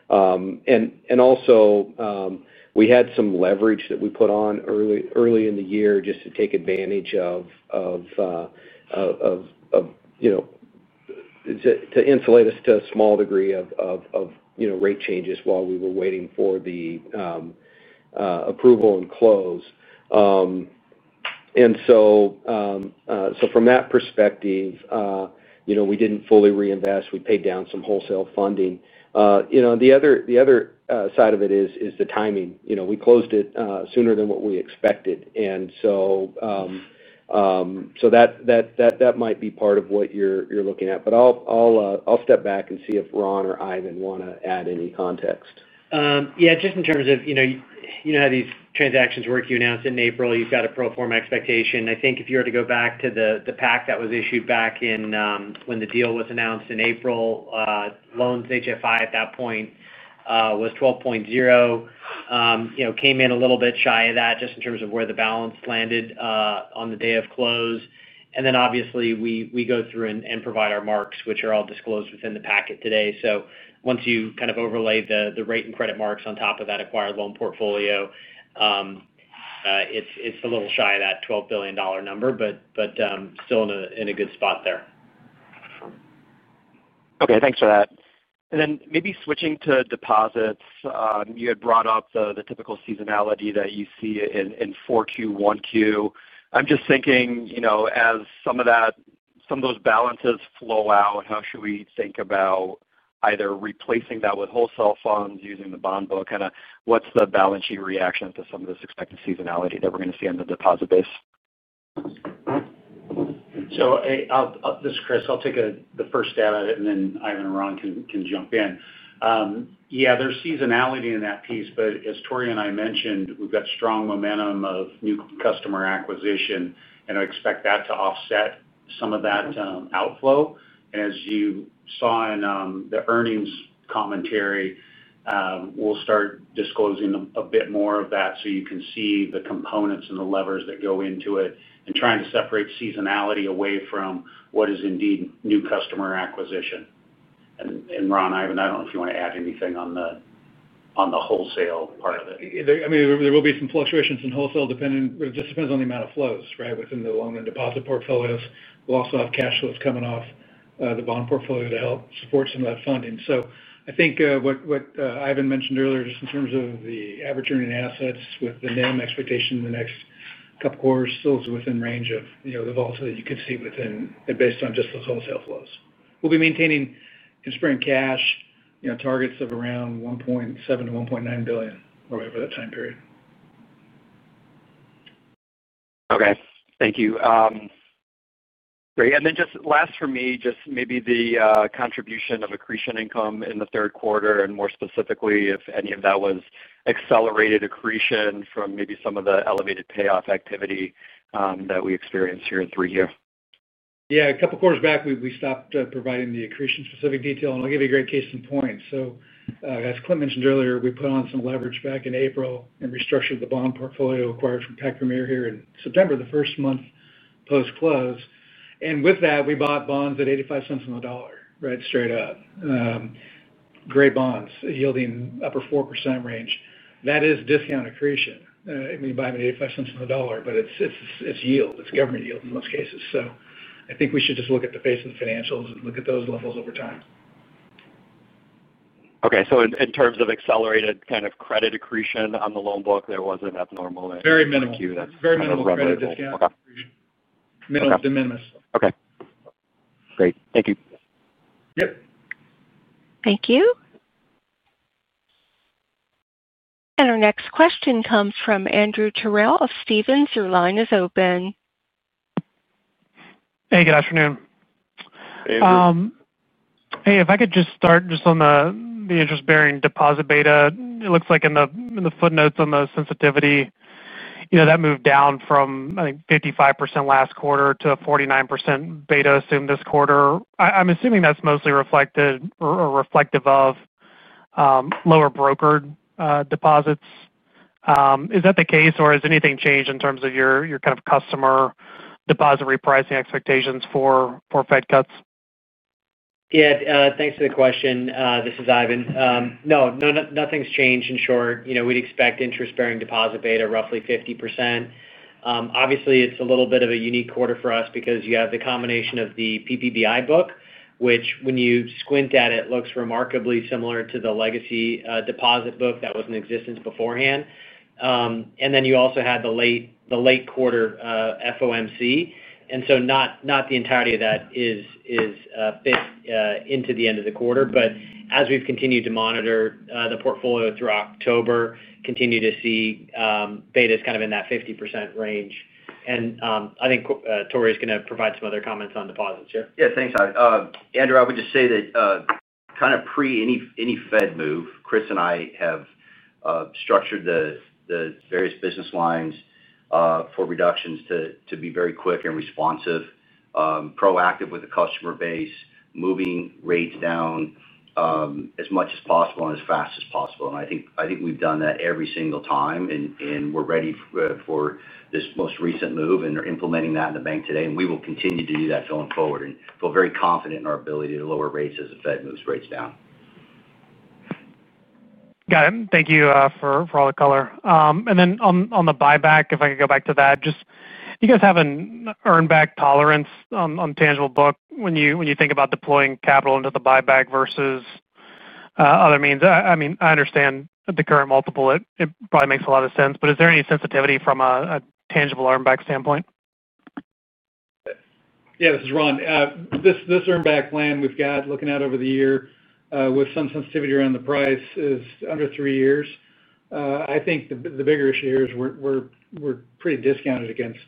Also, we had some leverage that we put on early in the year just to take advantage of, to insulate us to a small degree of rate changes while we were waiting for the approval and close. From that perspective, we didn't fully reinvest. We paid down some wholesale funding. The other side of it is the timing. We closed it sooner than what we expected. That might be part of what you're looking at. I'll step back and see if Ron or Ivan want to add any context. Yeah. Just in terms of how these transactions work. You announced in April, you've got a pro forma expectation. I think if you were to go back to the PAC that was issued back when the deal was announced in April, loans HFI at that point was $12.0 billion. Came in a little bit shy of that just in terms of where the balance landed on the day of close. Obviously, we go through and provide our marks, which are all disclosed within the packet today. Once you kind of overlay the rate and credit marks on top of that acquired loan portfolio, it's a little shy of that $12 billion number, but still in a good spot there. Okay. Thanks for that. Maybe switching to deposits, you had brought up the typical seasonality that you see in 4Q, 1Q. I'm just thinking, as some of those balances flow out, how should we think about either replacing that with wholesale funds, using the bond book? What's the balance sheet reaction to some of this expected seasonality that we're going to see on the deposit base? This is Chris, I'll take the first stab at it, and then Ivan and Ron can jump in. Yeah, there's seasonality in that piece, but as Tory and I mentioned, we've got strong momentum of new customer acquisition, and I expect that to offset some of that outflow. As you saw in the earnings commentary, we'll start disclosing a bit more of that so you can see the components and the levers that go into it, trying to separate seasonality away from what is indeed new customer acquisition. Ron, Ivan, I don't know if you want to add anything on the wholesale part of it. I mean, there will be some fluctuations in wholesale depending, it just depends on the amount of flows, right, within the loan and deposit portfolios. We'll also have cash flows coming off the bond portfolio to help support some of that funding. I think what Ivan mentioned earlier, just in terms of the average earning assets with the NIM expectation in the next couple of quarters, is still within range of the volatility you could see based on just those wholesale flows. We'll be maintaining in spring cash targets of around $1.7 billion-$1.9 billion or whatever that time period. Okay. Thank you. Great. Just last for me, maybe the contribution of accretion income in the third quarter and more specifically, if any of that was accelerated accretion from maybe some of the elevated payoff activity that we experienced here in three years. A couple of quarters back, we stopped providing the accretion specific detail, and I'll give you a great case in point. As Clint mentioned earlier, we put on some leverage back in April and restructured the bond portfolio acquired from Pacific Premier Bancorp here in September, the first month post-close. With that, we bought bonds at $0.85 on the dollar, right, straight up. Great bonds yielding upper 4% range. That is discount accretion. You buy them at $0.85 on the dollar, but it's yield. It's government yield in most cases. I think we should just look at the face of the financials and look at those levels over time. Okay. In terms of accelerated kind of credit accretion on the loan book, there wasn't abnormal Q. Very minimal. Very minimal credit discount. Minimal de minimis. Okay. Great. Thank you. Yep. Thank you. Our next question comes from Andrew Terrell of Stephens. Your line is open. Hey, good afternoon. Hey, Andrew. Hey, if I could just start on the interest-bearing deposit beta, it looks like in the footnotes on the sensitivity, that moved down from, I think, 55% last quarter to 49% beta assumed this quarter. I'm assuming that's mostly reflective of lower brokered deposits. Is that the case, or has anything changed in terms of your kind of customer deposit repricing expectations for Fed cuts? Yeah. Thanks for the question. This is Ivan. No, nothing's changed in short. We'd expect interest-bearing deposit beta, roughly 50%. Obviously, it's a little bit of a unique quarter for us because you have the combination of the PPBI book, which when you squint at it, looks remarkably similar to the legacy deposit book that was in existence beforehand. You also had the late quarter FOMC, and not the entirety of that is fit into the end of the quarter. As we've continued to monitor the portfolio through October, continue to see betas kind of in that 50% range. I think Tory is going to provide some other comments on deposits, yeah. Yeah. Thanks, Ivan. Andrew, I would just say that kind of pre any Fed move, Chris and I have structured the various business lines for reductions to be very quick and responsive, proactive with the customer base, moving rates down as much as possible and as fast as possible. I think we've done that every single time, and we're ready for this most recent move and implementing that in the bank today. We will continue to do that going forward and feel very confident in our ability to lower rates as the Fed moves rates down. Got it. Thank you for all the color. On the buyback, if I could go back to that, do you have an earnback tolerance on tangible book when you think about deploying capital into the buyback versus other means? I mean, I understand the current multiple. It probably makes a lot of sense, but is there any sensitivity from a tangible earnback standpoint? Yeah. This is Ron. This earnback plan we've got looking out over the year with some sensitivity around the price is under three years. I think the bigger issue here is we're pretty discounted against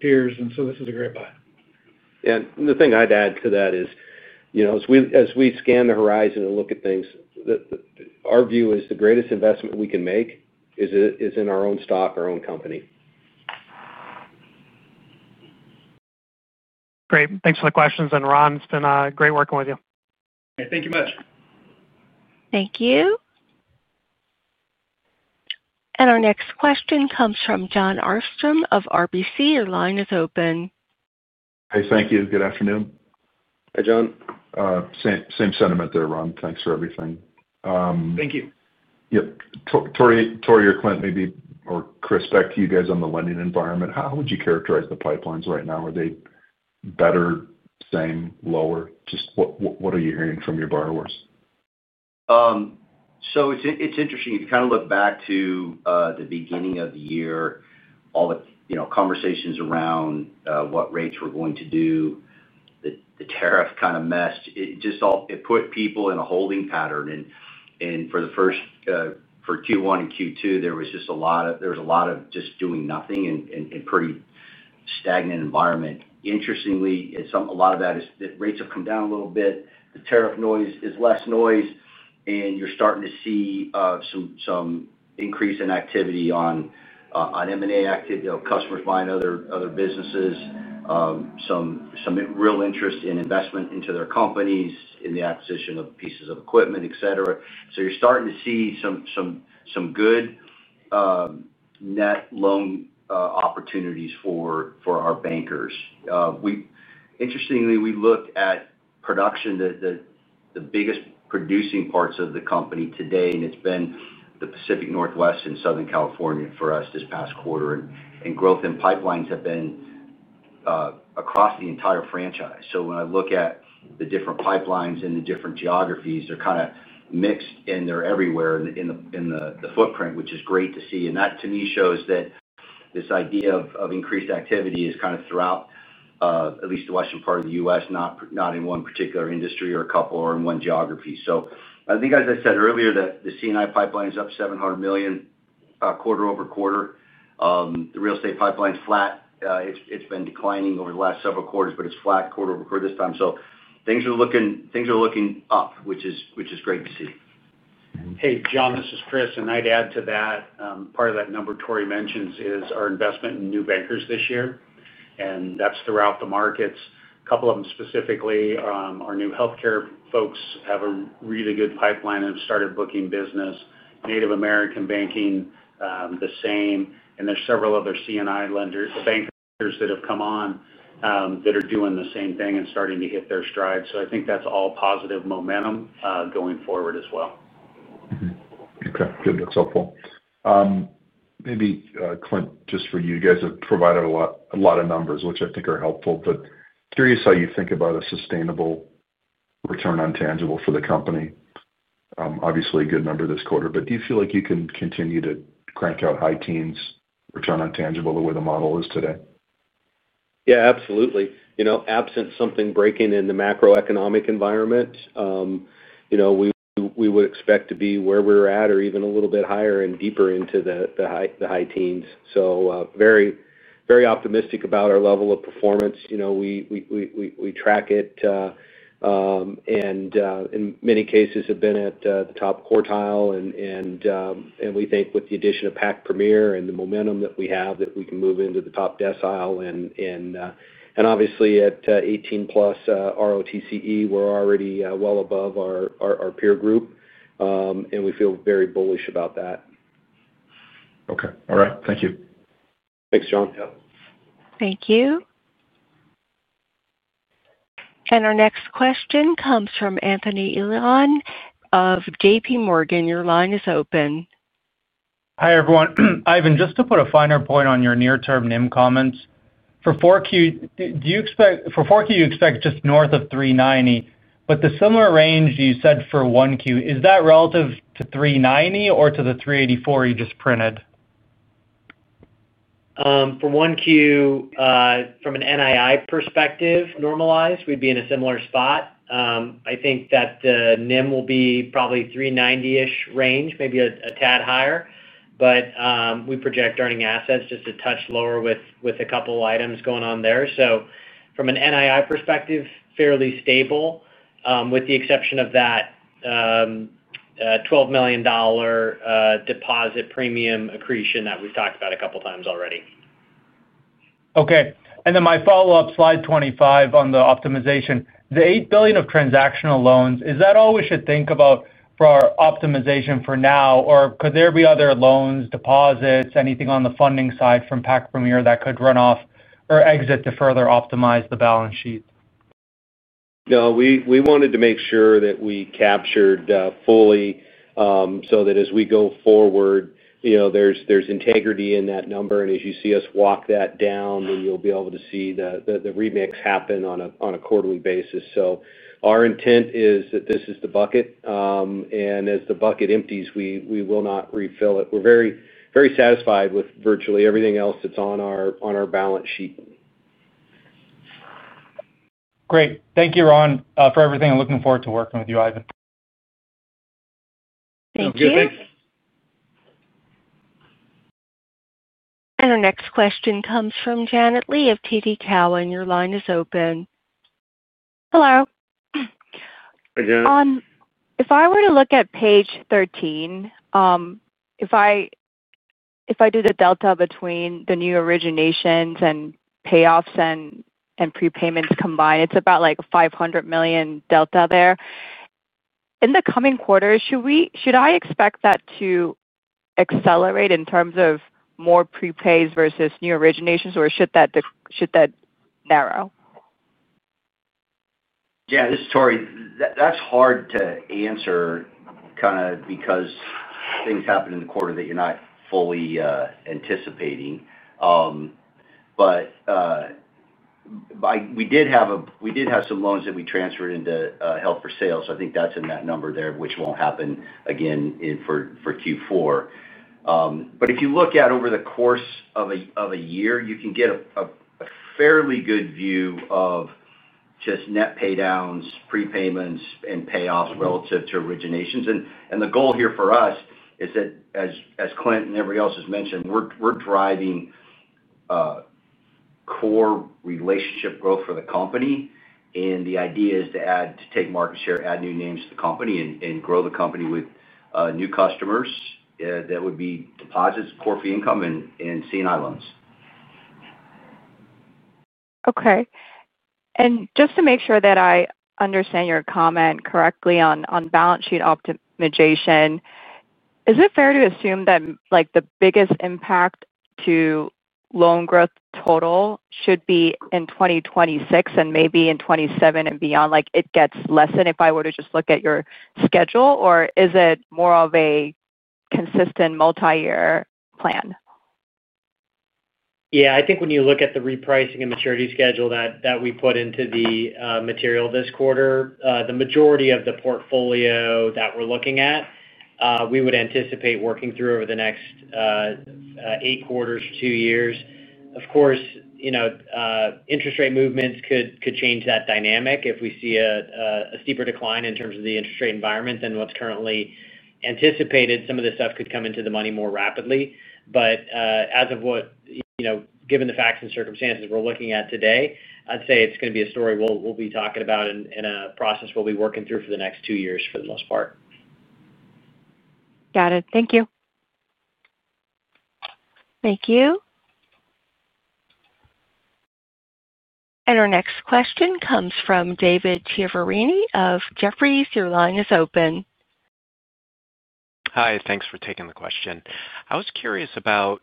peers, and so this is a great buy. The thing I'd add to that is, as we scan the horizon and look at things, our view is the greatest investment we can make is in our own stock, our own company. Great. Thanks for the questions. Ron, it's been great working with you. Hey, thank you very much. Thank you. Our next question comes from Jon Arfstrom of RBC. Your line is open. Hey, thank you. Good afternoon. Hey, Jon. Same sentiment there, Ron. Thanks for everything. Thank you. Yep. Tory, or Clint, maybe, or Chris, back to you guys on the lending environment. How would you characterize the pipelines right now? Are they better, same, lower? Just what are you hearing from your borrowers? It's interesting. If you kind of look back to the beginning of the year, all the conversations around what rates were going to do, the tariff kind of messed. It put people in a holding pattern. For Q1 and Q2, there was just a lot of just doing nothing in a pretty stagnant environment. Interestingly, a lot of that is that rates have come down a little bit. The tariff noise is less noise, and you're starting to see some increase in activity on M&A activity, customers buying other businesses, some real interest in investment into their companies, in the acquisition of pieces of equipment, etc. You're starting to see some good net loan opportunities for our bankers. Interestingly, we looked at production, the biggest producing parts of the company today, and it's been the Pacific Northwest and Southern California for us this past quarter. Growth in pipelines has been across the entire franchise. When I look at the different pipelines and the different geographies, they're kind of mixed, and they're everywhere in the footprint, which is great to see. That, to me, shows that this idea of increased activity is kind of throughout at least the western part of the U.S., not in one particular industry or a couple or in one geography. I think, as I said earlier, the C&I pipeline is up $700 million quarter over quarter. The real estate pipeline's flat. It's been declining over the last several quarters, but it's flat quarter over quarter this time. Things are looking up, which is great to see. Hey, Jon, this is Chris. I'd add to that. Part of that number Tory mentions is our investment in new bankers this year, and that's throughout the markets. A couple of them specifically, our new healthcare folks have a really good pipeline and have started booking business. Native American banking, the same. There are several other C&I lenders, bankers that have come on, that are doing the same thing and starting to hit their stride. I think that's all positive momentum going forward as well. Okay. Good. That's helpful. Maybe, Clint, just for you, you guys have provided a lot of numbers, which I think are helpful, but curious how you think about a sustainable return on tangible for the company. Obviously, a good number this quarter, but do you feel like you can continue to crank out high teens, return on tangible the way the model is today? Yeah, absolutely. Absent something breaking in the macroeconomic environment, we would expect to be where we're at or even a little bit higher and deeper into the high teens. Very optimistic about our level of performance. We track it, and in many cases, have been at the top quartile. We think with the addition of Pacific Premier Bancorp and the momentum that we have, we can move into the top decile. Obviously, at 18+% ROTCE, we're already well above our peer group, and we feel very bullish about that. Okay. All right, thank you. Thanks, Jon. Yep. Thank you. Our next question comes from Anthony Elian of JPMorgan. Your line is open. Hi everyone. Ivan, just to put a finer point on your near-term NIM comments, for 4Q, do you expect for 4Q, you expect just north of 3.90%, but the similar range you said for 1Q, is that relative to 3.90% or to the 3.84% you just printed? For one Q. From an NII perspective, normalized, we'd be in a similar spot. I think that the NIM will be probably 3.90% range, maybe a tad higher. We project earning assets just a touch lower with a couple of items going on there. From an NII perspective, fairly stable with the exception of that $12 million deposit premium accretion that we've talked about a couple of times already. Okay. My follow-up, slide 25 on the optimization, the $8 billion of transactional loans, is that all we should think about for our optimization for now, or could there be other loans, deposits, anything on the funding side from Pacific Premier Bancorp that could run off or exit to further optimize the balance sheet? No, we wanted to make sure that we captured fully so that as we go forward, there's integrity in that number. As you see us walk that down, you'll be able to see the remix happen on a quarterly basis. Our intent is that this is the bucket, and as the bucket empties, we will not refill it. We're very satisfied with virtually everything else that's on our balance sheet. Great. Thank you, Ron, for everything. I'm looking forward to working with you, Ivan. Thank you. Sounds good. Our next question comes from Janet Lee of TD Cowen. Your line is open. Hello. Hey, Janet. If I were to look at page 13, if I do the delta between the new originations and payoffs and prepayments combined, it's about a $500 million delta there. In the coming quarters, should I expect that to accelerate in terms of more prepays versus new originations, or should that narrow? Yeah. This is Tory. That's hard to answer kind of because things happen in the quarter that you're not fully anticipating. We did have some loans that we transferred into held for sale. I think that's in that number there, which won't happen again for Q4. If you look at over the course of a year, you can get a fairly good view of just net paydowns, prepayments, and payoffs relative to originations. The goal here for us is that, as Clint and everybody else has mentioned, we're driving core relationship growth for the company. The idea is to take market share, add new names to the company, and grow the company with new customers that would be deposits, core fee income, and C&I loans. Okay. Just to make sure that I understand your comment correctly on balance sheet optimization, is it fair to assume that the biggest impact to loan growth total should be in 2026, and maybe in 2027 and beyond it gets lessened if I were to just look at your schedule, or is it more of a consistent multi-year plan? Yeah. I think when you look at the repricing and maturity schedule that we put into the material this quarter, the majority of the portfolio that we're looking at, we would anticipate working through over the next eight quarters to two years. Of course, interest rate movements could change that dynamic. If we see a steeper decline in terms of the interest rate environment than what's currently anticipated, some of this stuff could come into the money more rapidly. Given the facts and circumstances we're looking at today, I'd say it's going to be a story we'll be talking about and a process we'll be working through for the next two years for the most part. Got it. Thank you. Thank you. Our next question comes from David Chiaverini of Jefferies. Your line is open. Hi. Thanks for taking the question. I was curious about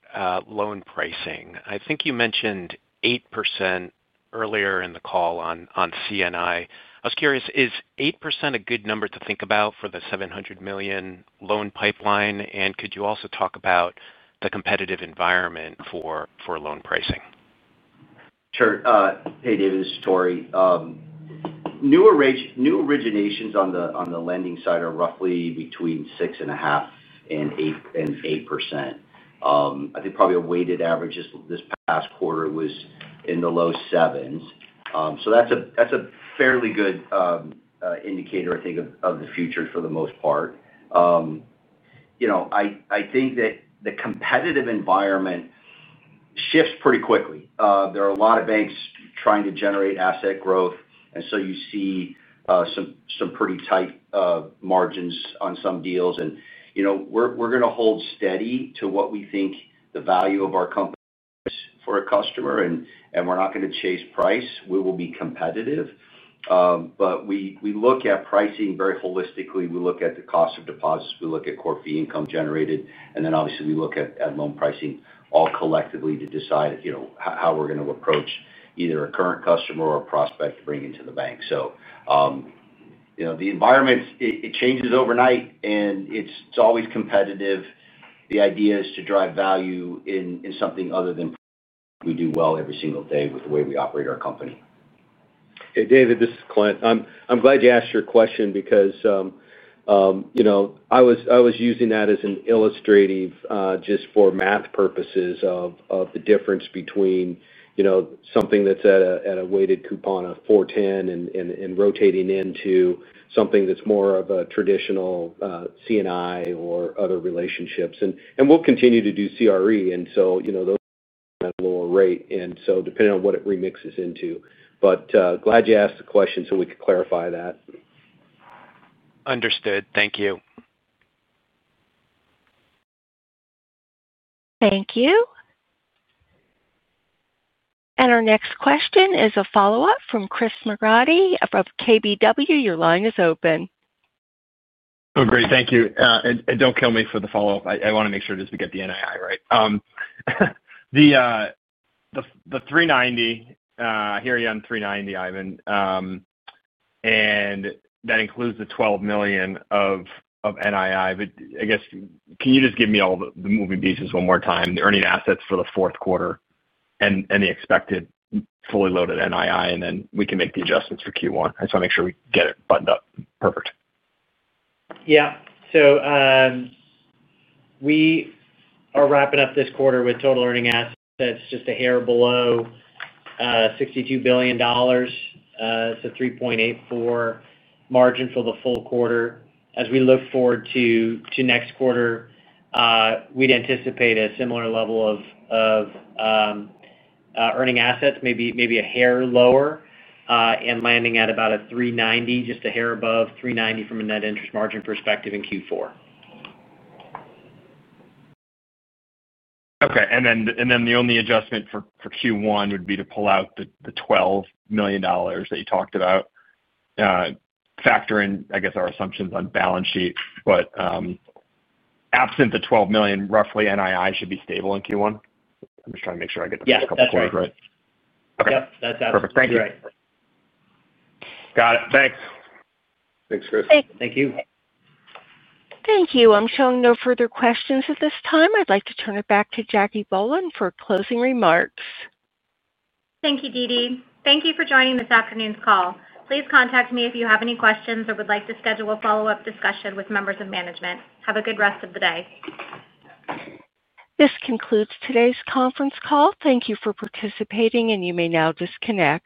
loan pricing. I think you mentioned 8% earlier in the call on C&I. I was curious, is 8% a good number to think about for the $700 million loan pipeline, and could you also talk about the competitive environment for loan pricing? Sure. Hey, David, this is Tory. New originations on the lending side are roughly between 6.5% and 8%. I think probably a weighted average this past quarter was in the low 7s. That's a fairly good indicator, I think, of the future for the most part. I think that the competitive environment shifts pretty quickly. There are a lot of banks trying to generate asset growth, and you see some pretty tight margins on some deals. We're going to hold steady to what we think the value of our company is for a customer, and we're not going to chase price. We will be competitive, but we look at pricing very holistically. We look at the cost of deposits, we look at core fee income generated, and then obviously we look at loan pricing all collectively to decide how we're going to approach either a current customer or a prospect to bring into the bank. The environment changes overnight, and it's always competitive. The idea is to drive value in something other than we do well every single day with the way we operate our company. Hey, David, this is Clint. I'm glad you asked your question because I was using that as an illustrative just for math purposes of the difference between something that's at a weighted coupon of 4.10% and rotating into something that's more of a traditional C&I or other relationships. We'll continue to do CRE, and those are at a lower rate, so depending on what it remixes into. Glad you asked the question so we could clarify that. Understood. Thank you. Thank you. Our next question is a follow-up from Chris McGratty of KBW. Your line is open. Great. Thank you. I want to make sure it is to get the NII right. The 3.90%, I hear you on 3.90%, Ivan. That includes the $12 million of NII. I guess, can you just give me all the moving pieces one more time? The earning assets for the fourth quarter and the expected fully loaded NII, and then we can make the adjustments for Q1. I just want to make sure we get it buttoned up. Perfect. We are wrapping up this quarter with total earning assets just a hair below $62 billion. It's a 3.84% margin for the full quarter. As we look forward to next quarter, we'd anticipate a similar level of earning assets, maybe a hair lower, and landing at about a 3.90%, just a hair above 3.90% from a net interest margin perspective in Q4. Okay. The only adjustment for Q1 would be to pull out the $12 million that you talked about. Factor in, I guess, our assumptions on balance sheet. Absent the $12 million, roughly NII should be stable in Q1? I'm just trying to make sure I get the first couple of quarters right. Yep, yep. That's absolutely right. Perfect. Thank you. Got it. Thanks. Thanks, Chris. Thank you. Thank you. I'm showing no further questions at this time. I'd like to turn it back to Jackie Bohlen for closing remarks. Thank you, Dee Dee. Thank you for joining this afternoon's call. Please contact me if you have any questions or would like to schedule a follow-up discussion with members of management. Have a good rest of the day. This concludes today's conference call. Thank you for participating, and you may now disconnect.